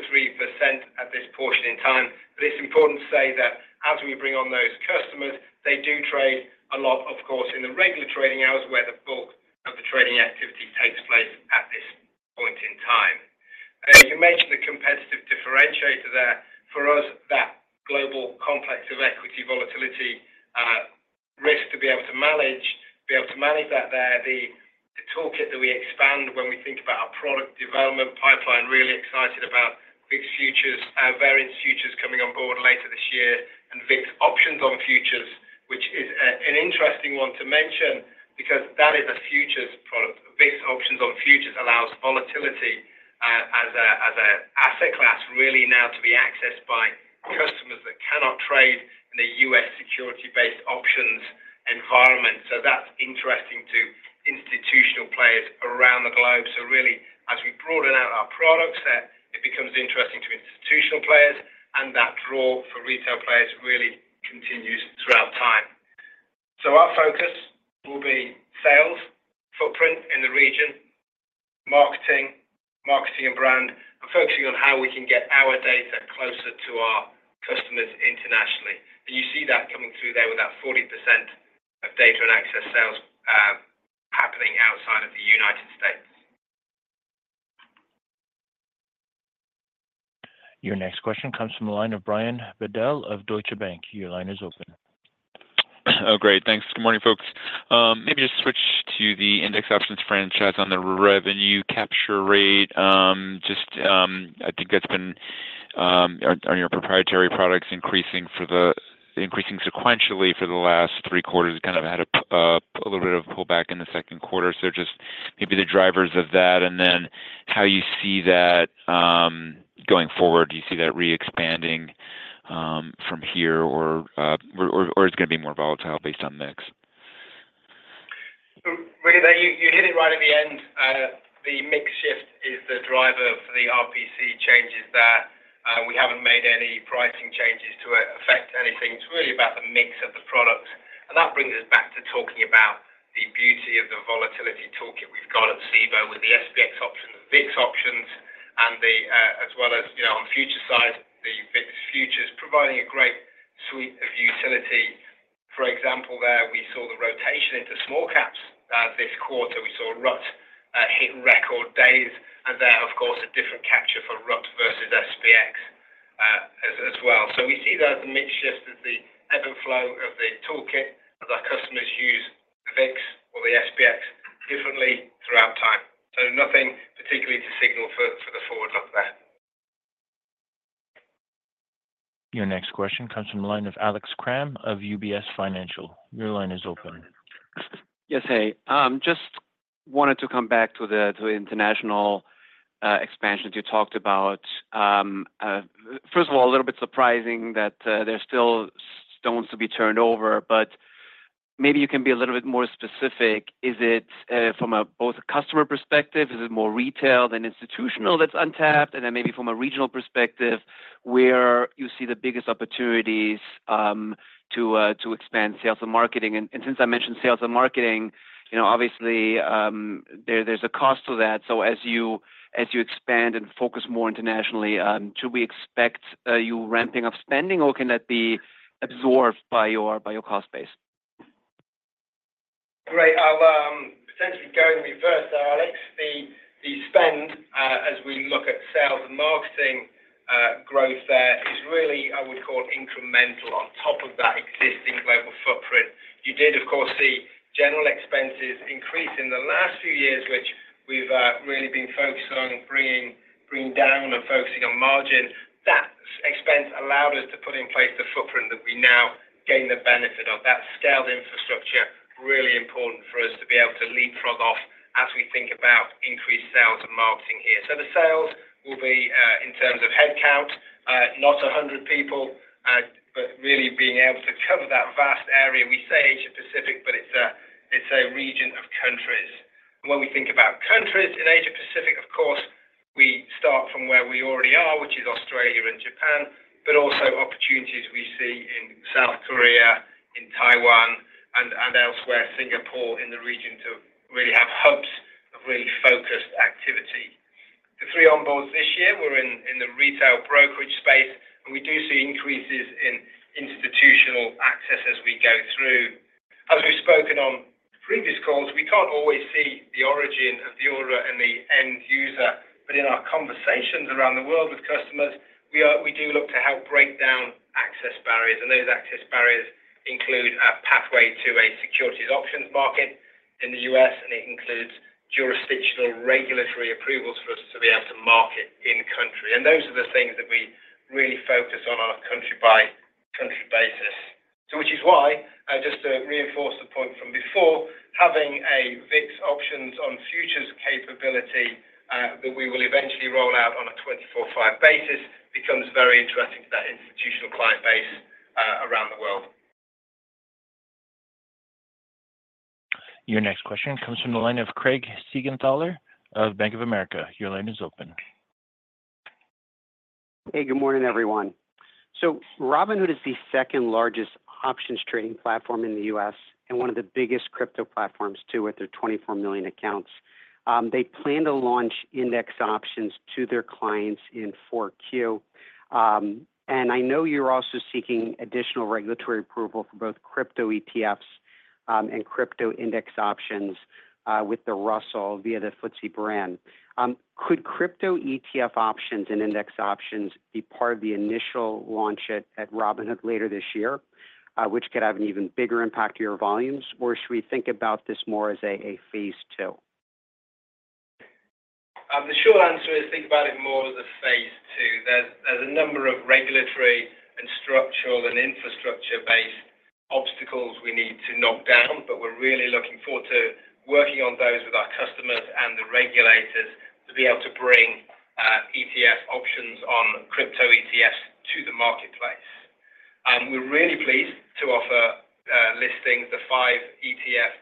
S4: at this point in time. But it's important to say that as we bring on those customers, they do trade a lot, of course, in the regular trading hours where the bulk of the trading activity takes place at this point in time. You mentioned the competitive differentiator there. For us, that global complex of equity volatility risk to be able to manage, be able to manage that there. The toolkit that we expand when we think about our product development pipeline, really excited about VIX Futures, our variance futures coming onboard later this year, and VIX Options on Futures, which is an interesting one to mention because that is a futures product. VIX Options on Futures allows volatility as an asset class really now to be accessed by customers that cannot trade in a U.S. security-based options environment. So that's interesting to institutional players around the globe. So really, as we broaden out our products there, it becomes interesting to institutional players, and that draw for retail players really continues throughout time. So our focus will be sales, footprint in the region, marketing, marketing and brand, and focusing on how we can get our data closer to our customers internationally. You see that coming through there with that 40% of data and access sales happening outside of the United States.
S1: Your next question comes from the line of Brian Bedell of Deutsche Bank. Your line is open.
S9: Oh, great. Thanks. Good morning, folks. Maybe just switch to the Index Options franchise on the revenue capture rate. Just, I think that's been on your proprietary products increasing sequentially for the last three quarters. It kind of had a little bit of a pullback in the second quarter. So just maybe the drivers of that and then how you see that going forward. Do you see that re-expanding from here, or is it going to be more volatile based on mix?
S4: Really, you hit it right at the end. The mix shift is the driver for the RPC changes there. We haven't made any pricing changes to affect anything. It's really about the mix of the products. And that brings us back to talking about the beauty of the volatility toolkit we've got at Cboe with the SPX options, VIX Options, and as well as on the futures side, the VIX Futures, providing a great suite of utility. For example, there we saw the rotation into small caps this quarter. We saw RUT hit record days. And there, of course, a different capture for RUT versus SPX as well. So we see that as a mix shift of the ebb and flow of the toolkit of our customers use VIX or the SPX differently throughout time. So nothing particularly to signal for the forward up there.
S1: Your next question comes from the line of Alex Kramm of UBS Financial. Your line is open.
S10: Yes, hey. Just wanted to come back to the international expansion you talked about. First of all, a little bit surprising that there's still stones to be turned over, but maybe you can be a little bit more specific. Is it from both a customer perspective? Is it more retail than institutional that's untapped? And then maybe from a regional perspective, where you see the biggest opportunities to expand sales and marketing? And since I mentioned sales and marketing, obviously, there's a cost to that. So as you expand and focus more internationally, should we expect you ramping up spending, or can that be absorbed by your cost base?
S4: Great. Thank you for going with me first there, Alex. The spend, as we look at sales and marketing growth there, is really, I would call it, incremental on top of that existing global footprint. You did, of course, see general expenses increase in the last few years, which we've really been focused on bringing down and focusing on margin. That expense allowed us to put in place the footprint that we now gain the benefit of. That scaled infrastructure is really important for us to be able to leapfrog off as we think about increased sales and marketing here. So the sales will be in terms of headcount, not 100 people, but really being able to cover that vast area. We say Asia-Pacific, but it's a region of countries. And when we think about countries in Asia-Pacific, of course, we start from where we already are, which is Australia and Japan, but also opportunities we see in South Korea, in Taiwan, and elsewhere, Singapore in the region to really have hubs of really focused activity. The three onboards this year were in the retail brokerage space, and we do see increases in institutional access as we go through. As we've spoken on previous calls, we can't always see the origin of the order and the end user, but in our conversations around the world with customers, we do look to help break down access barriers. And those access barriers include a pathway to a securities options market in the U.S., and it includes jurisdictional regulatory approvals for us to be able to market in-country. And those are the things that we really focus on on a country-by-country basis. So which is why, just to reinforce the point from before, having a VIX Options on Futures capability that we will eventually roll out on a 24/5 basis becomes very interesting to that institutional client base around the world.
S1: Your next question comes from the line of Craig Siegenthaler of Bank of America. Your line is open.
S11: Hey, good morning, everyone. So Robinhood is the second largest options trading platform in the U.S. and one of the biggest crypto platforms too with their 24 million accounts. They plan to launch Index Options to their clients in 4Q. And I know you're also seeking additional regulatory approval for both crypto ETFs and crypto Index Options with the Russell via the FTSE brand. Could crypto ETF options and Index Options be part of the initial launch at Robinhood later this year, which could have an even bigger impact to your volumes, or should we think about this more as a phase 2?
S7: The short answer is think about it more as a phase 2. There's a number of regulatory and structural and infrastructure-based obstacles we need to knock down, but we're really looking forward to working on those with our customers and the regulators to be able to bring ETF options on crypto ETFs to the marketplace. We're really pleased to offer listings, the 5 ETF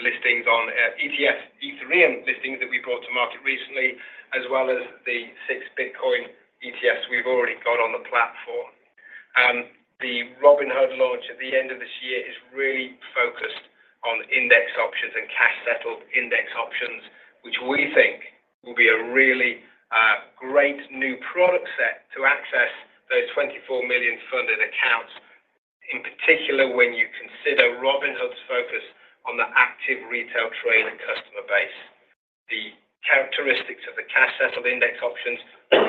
S7: listings on ETF Ethereum listings that we brought to market recently, as well as the 6 Bitcoin ETFs we've already got on the platform. The Robinhood launch at the end of this year is really focused on Index Options and cash-settled Index Options, which we think will be a really great new product set to access those 24 million funded accounts, in particular when you consider Robinhood's focus on the active retail trader customer base. The characteristics of the cash-settled Index Options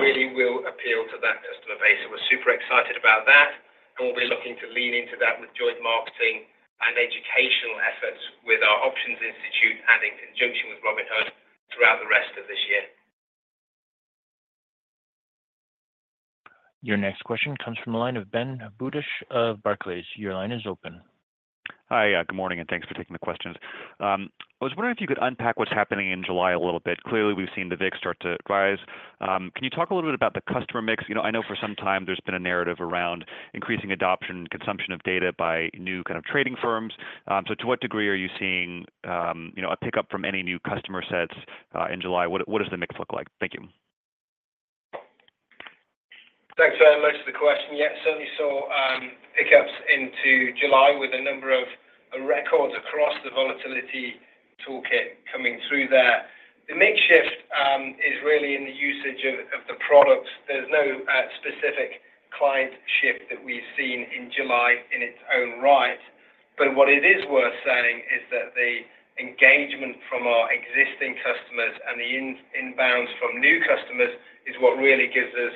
S7: really will appeal to that customer base. So we're super excited about that, and we'll be looking to lean into that with joint marketing and educational efforts with our Options Institute and in conjunction with Robinhood throughout the rest of this year.
S1: Your next question comes from the line of Ben Budish of Barclays. Your line is open.
S12: Hi, good morning, and thanks for taking the questions. I was wondering if you could unpack what's happening in July a little bit. Clearly, we've seen the VIX start to rise. Can you talk a little bit about the customer mix? I know for some time there's been a narrative around increasing adoption and consumption of data by new kind of trading firms. So to what degree are you seeing a pickup from any new customer sets in July? What does the mix look like? Thank you.
S7: Thanks very much for the question. Yeah, certainly saw pickups into July with a number of records across the volatility toolkit coming through there. The mix shift is really in the usage of the products. There's no specific client shift that we've seen in July in its own right. But what it is worth saying is that the engagement from our existing customers and the inbounds from new customers is what really gives us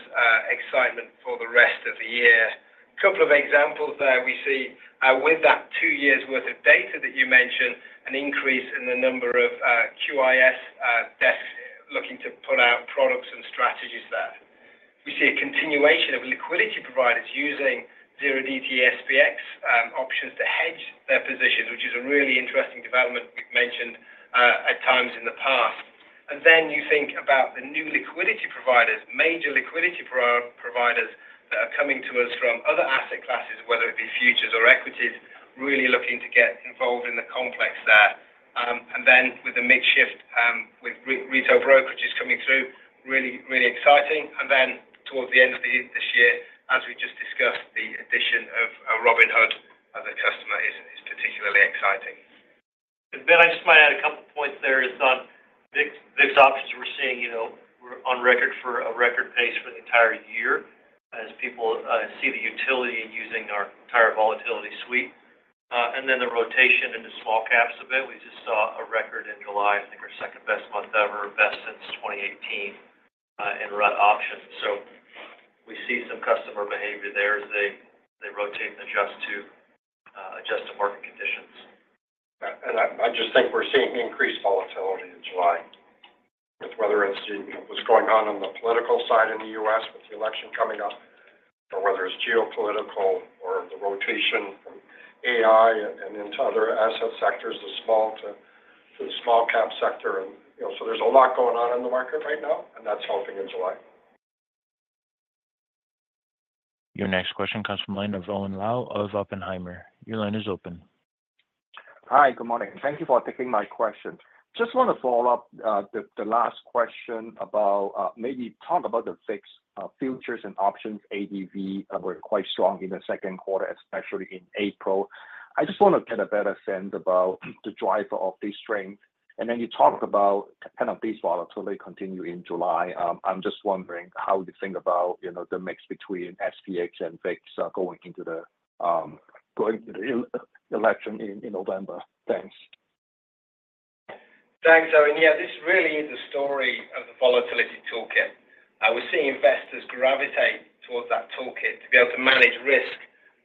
S7: excitement for the rest of the year. A couple of examples there we see with that two years' worth of data that you mentioned, an increase in the number of QIS desks looking to put out products and strategies there. We see a continuation of liquidity providers using 0DTE SPX options to hedge their positions, which is a really interesting development we've mentioned at times in the past. And then you think about the new liquidity providers, major liquidity providers that are coming to us from other asset classes, whether it be futures or equities, really looking to get involved in the complex there. And then with the mix shift with retail brokerages coming through, really, really exciting. And then towards the end of this year, as we just discussed, the addition of Robinhood as a customer is particularly exciting. And then I just want to add a couple of points there is on VIX Options we're seeing on record for a record pace for the entire year as people see the utility in using our entire volatility suite. And then the rotation into small caps a bit. We just saw a record in July, I think our second best month ever, best since 2018 in RUT options. So we see some customer behavior there as they rotate and adjust to market conditions. And I just think we're seeing increased volatility in July with whether it's what's going on on the political side in the U.S. with the election coming up, or whether it's geopolitical or the rotation from AI and into other asset sectors, the small to the small cap sector. And so there's a lot going on in the market right now, and that's helping in July.
S1: Your next question comes from the line of Owen Lau of Oppenheimer. Your line is open.
S13: Hi, good morning. Thank you for taking my question. Just want to follow up the last question about maybe talk about the VIX Futures and options ADV were quite strong in the second quarter, especially in April. I just want to get a better sense about the driver of this strength. Then you talked about kind of this volatility continue in July. I'm just wondering how you think about the mix between SPX and VIX going into the election in November. Thanks.
S7: Thanks, Owen. Yeah, this really is the story of the volatility toolkit. We're seeing investors gravitate towards that toolkit to be able to manage risk,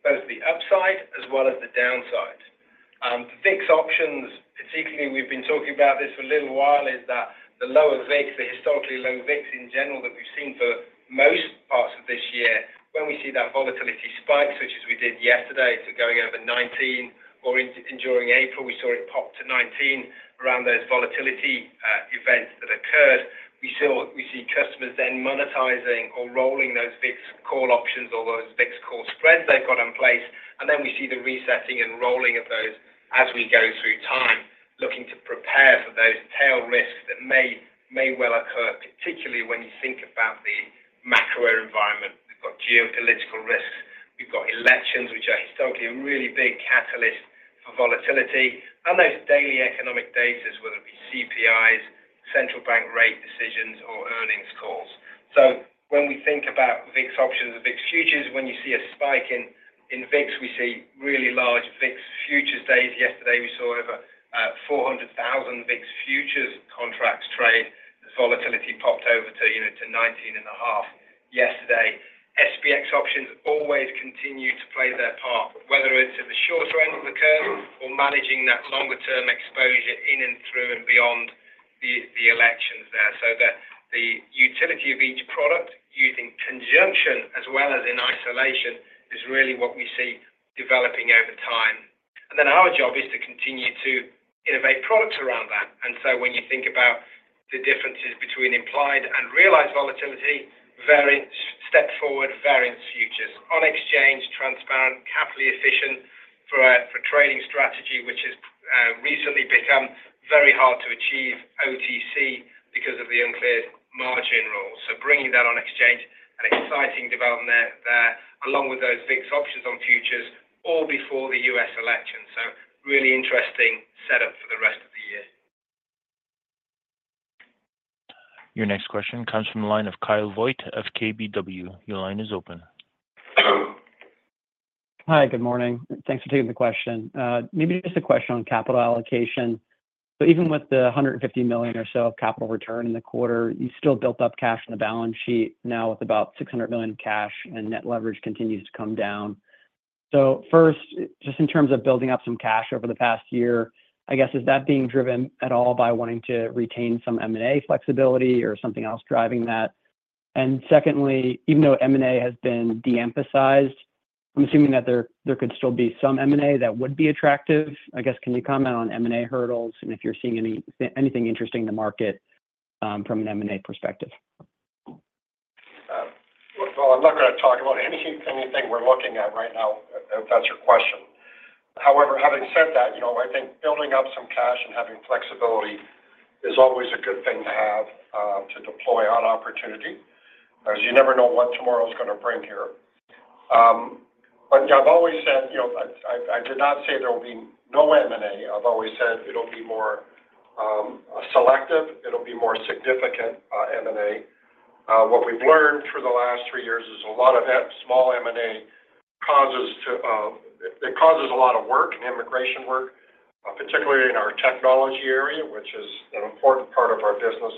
S7: both the upside as well as the downside. VIX Options, particularly we've been talking about this for a little while, is that the lower VIX, the historically low VIX in general that we've seen for most parts of this year, when we see that volatility spike, such as we did yesterday, so going over 19 or during April, we saw it pop to 19 around those volatility events that occurred. We see customers then monetizing or rolling those VIX call options or those VIX call spreads they've got in place. Then we see the resetting and rolling of those as we go through time, looking to prepare for those tail risks that may well occur, particularly when you think about the macro environment. We've got geopolitical risks. We've got elections, which are historically a really big catalyst for volatility. And those daily economic data, whether it be CPIs, central bank rate decisions, or earnings calls. So when we think about VIX Options and VIX Futures, when you see a spike in VIX, we see really large VIX Futures days. Yesterday, we saw over 400,000 VIX Futures contracts trade. The volatility popped over to 19.5 yesterday. SPX options always continue to play their part, whether it's at the shorter end of the curve or managing that longer-term exposure in and through and beyond the elections there. So the utility of each product using conjunction as well as in isolation is really what we see developing over time. And then our job is to continue to innovate products around that. And so when you think about the differences between implied and realized volatility, step forward, variance futures. On exchange, transparent, capital efficient for a trading strategy, which has recently become very hard to achieve, OTC because of the unclear margin rules. So bringing that on exchange, an exciting development there along with those VIX Options on Futures all before the U.S. election. So really interesting setup for the rest of the year.
S1: Your next question comes from the line of Kyle Voigt of KBW. Your line is open.
S14: Hello. Hi, good morning. Thanks for taking the question. Maybe just a question on capital allocation. So even with the $150 million or so of capital return in the quarter, you still built up cash on the balance sheet now with about $600 million cash, and net leverage continues to come down. So first, just in terms of building up some cash over the past year, I guess, is that being driven at all by wanting to retain some M&A flexibility or something else driving that? And secondly, even though M&A has been de-emphasized, I'm assuming that there could still be some M&A that would be attractive. I guess, can you comment on M&A hurdles and if you're seeing anything interesting in the market from an M&A perspective?
S3: Well, I'm not going to talk about anything we're looking at right now if that's your question. However, having said that, I think building up some cash and having flexibility is always a good thing to have to deploy on opportunity because you never know what tomorrow is going to bring here. But I've always said I did not say there will be no M&A. I've always said it'll be more selective. It'll be more significant M&A. What we've learned through the last three years is a lot of small M&A causes a lot of work and integration work, particularly in our technology area, which is an important part of our business.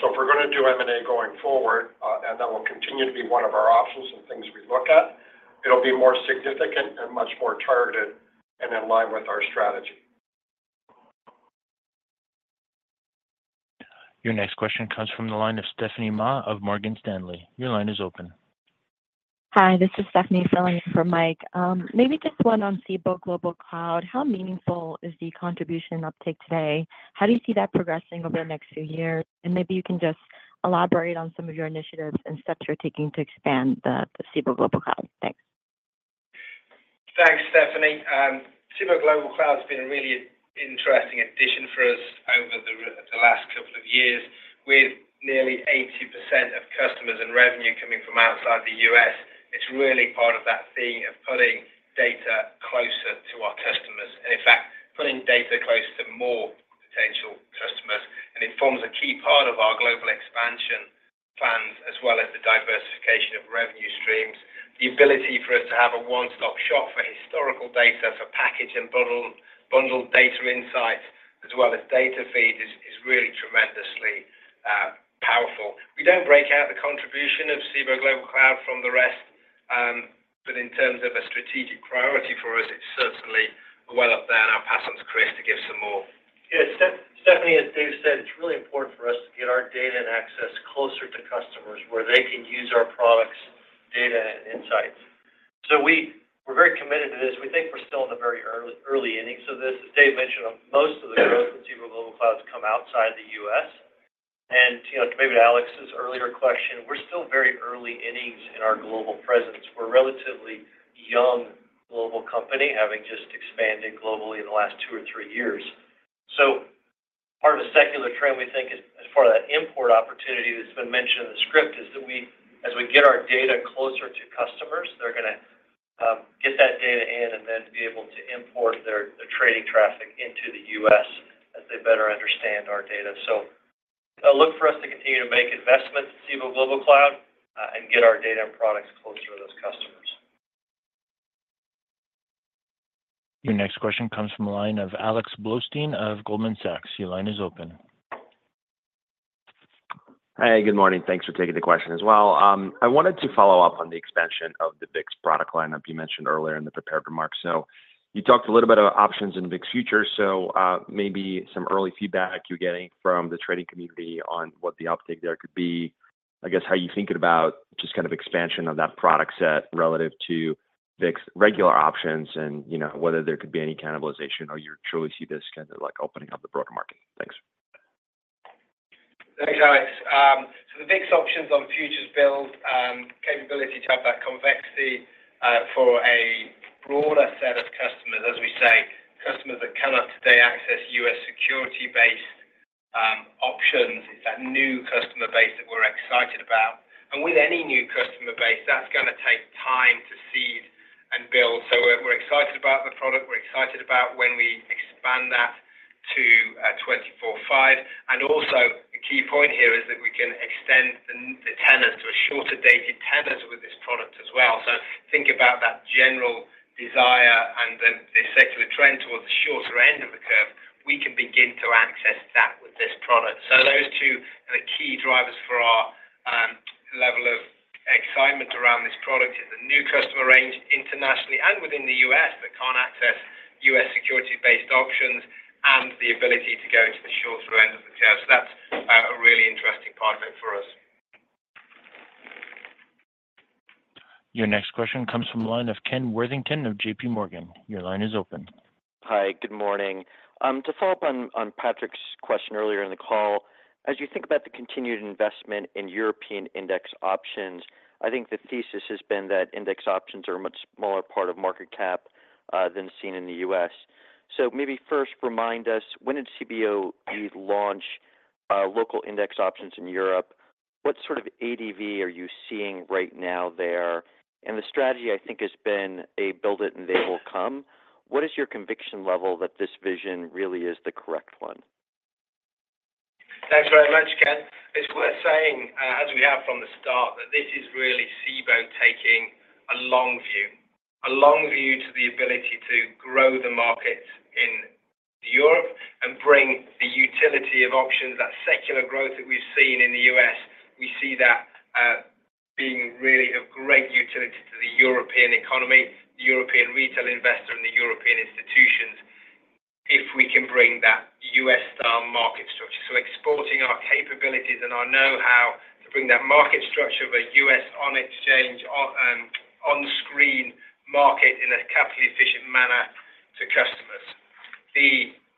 S3: So if we're going to do M&A going forward, and that will continue to be one of our options and things we look at, it'll be more significant and much more targeted and in line with our strategy.
S1: Your next question comes from the line of Stephanie Ma of Morgan Stanley. Your line is open.
S15: Hi, this is Stephanie filling in for Mike. Maybe just one on Cboe Global Cloud. How meaningful is the contribution uptake today? How do you see that progressing over the next few years? And maybe you can just elaborate on some of your initiatives and steps you're taking to expand the Cboe Global Cloud. Thanks.
S4: Thanks, Stephanie. Cboe Global Cloud has been a really interesting addition for us over the last couple of years. With nearly 80% of customers and revenue coming from outside the U.S., it's really part of that theme of putting data closer to our customers and, in fact, putting data closer to more potential customers. And it forms a key part of our global expansion plans as well as the diversification of revenue streams. The ability for us to have a one-stop shop for historical data for package and bundled data insights as well as data feeds is really tremendously powerful. We don't break out the contribution of Cboe Global Cloud from the rest, but in terms of a strategic priority for us, it's certainly well up there. And I'll pass on to Chris to give some more.
S7: Yeah, Stephanie, as Dave said, it's really important for us to get our data and access closer to customers where they can use our products, data, and insights. So we're very committed to this. We think we're still in the very early innings of this. As Dave mentioned, most of the growth with Cboe Global Cloud has come outside the U.S. And maybe to Alex's earlier question, we're still very early innings in our global presence. We're a relatively young global company having just expanded globally in the last two or three years. So part of the secular trend we think as part of that import opportunity that's been mentioned in the script is that as we get our data closer to customers, they're going to get that data in and then be able to import their trading traffic into the U.S. as they better understand our data. So look for us to continue to make investments in Cboe Global Cloud and get our data and products closer to those customers.
S1: Your next question comes from the line of Alex Blostein of Goldman Sachs. Your line is open.
S16: Hi, good morning. Thanks for taking the question as well. I wanted to follow up on the expansion of the VIX product lineup you mentioned earlier in the prepared remarks. So you talked a little bit about options in VIX Futures. So maybe some early feedback you're getting from the trading community on what the uptake there could be, I guess, how you're thinking about just kind of expansion of that product set relative to VIX regular options and whether there could be any cannibalization or you'd surely see this kind of opening up the broader market. Thanks.
S4: Thanks, Alex. So the VIX Options on Futures build capability to have that convexity for a broader set of customers, as we say, customers that cannot today access U.S. security-based options. It's that new customer base that we're excited about. And with any new customer base, that's going to take time to seed and build. So we're excited about the product. We're excited about when we expand that to 24/5. And also, the key point here is that we can extend the tenors to shorter-dated tenors with this product as well. So think about that general desire and the secular trend towards the shorter end of the curve. We can begin to access that with this product. So those two are the key drivers for our level of excitement around this product in the new customer range internationally and within the U.S. that can't access U.S. security-based options and the ability to go to the shorter end of the curve. So that's a really interesting part of it for us.
S1: Your next question comes from the line of Ken Worthington of JPMorgan. Your line is open.
S17: Hi, good morning. To follow up on Patrick's question earlier in the call, as you think about the continued investment in European Index Options, I think the thesis has been that Index Options are a much smaller part of market cap than seen in the U.S. So maybe first remind us, when did Cboe launch local Index Options in Europe? What sort of ADV are you seeing right now there? And the strategy, I think, has been a build it and they will come. What is your conviction level that this vision really is the correct one?
S7: Thanks very much, Ken. It's worth saying, as we have from the start, that this is really Cboe taking a long view, a long view to the ability to grow the markets in Europe and bring the utility of options, that secular growth that we've seen in the U.S. We see that being really of great utility to the European economy, the European retail investor, and the European institutions if we can bring that U.S.-style market structure. So exporting our capabilities and our know-how to bring that market structure of a U.S. on-exchange on-screen market in a capital-efficient manner to customers. The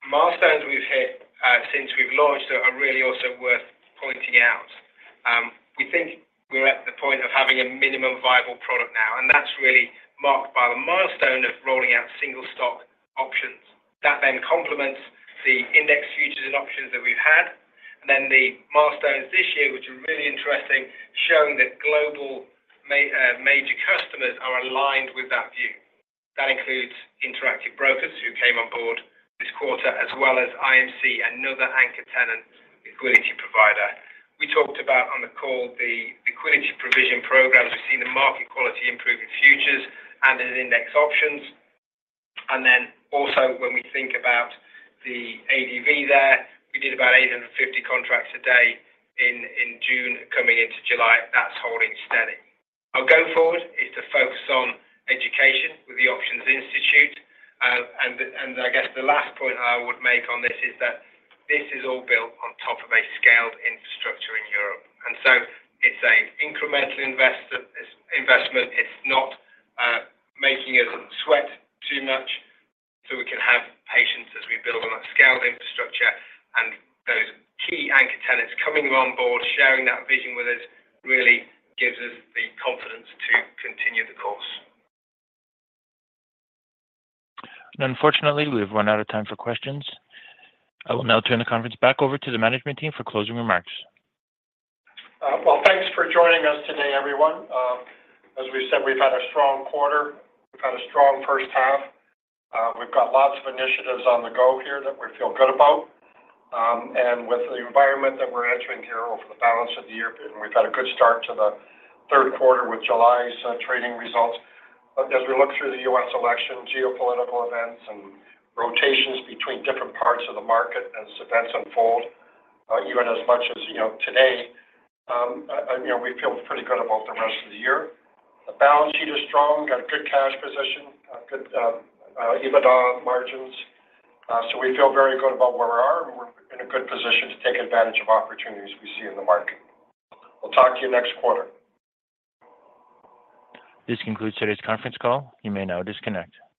S7: milestones we've hit since we've launched are really also worth pointing out. We think we're at the point of having a minimum viable product now, and that's really marked by the milestone of rolling out single-stock options. That then complements the index futures and options that we've had. And then the milestones this year, which are really interesting, showing that global major customers are aligned with that view. That includes Interactive Brokers who came onboard this quarter, as well as IMC, another anchor tenant liquidity provider. We talked about on the call the liquidity provision programs. We've seen the market quality improve in futures and in Index Options. Then also, when we think about the ADV there, we did about 850 contracts a day in June coming into July. That's holding steady. Our goal forward is to focus on education with the Options Institute. I guess the last point I would make on this is that this is all built on top of a scaled infrastructure in Europe. So it's an incremental investment. It's not making us sweat too much. We can have patience as we build on that scaled infrastructure. Those key anchor tenants coming onboard, sharing that vision with us, really gives us the confidence to continue the course.
S1: Unfortunately, we have run out of time for questions. I will now turn the conference back over to the management team for closing remarks.
S3: Well, thanks for joining us today, everyone. As we've said, we've had a strong quarter. We've had a strong first half. We've got lots of initiatives on the go here that we feel good about. With the environment that we're entering here over the balance of the year, we've had a good start to the third quarter with July's trading results. As we look through the U.S. election, geopolitical events, and rotations between different parts of the market as events unfold, even as much as today, we feel pretty good about the rest of the year. The balance sheet is strong. We've got a good cash position, good EBITDA margins. So we feel very good about where we are, and we're in a good position to take advantage of opportunities we see in the market. We'll talk to you next quarter.
S1: This concludes today's conference call. You may now disconnect.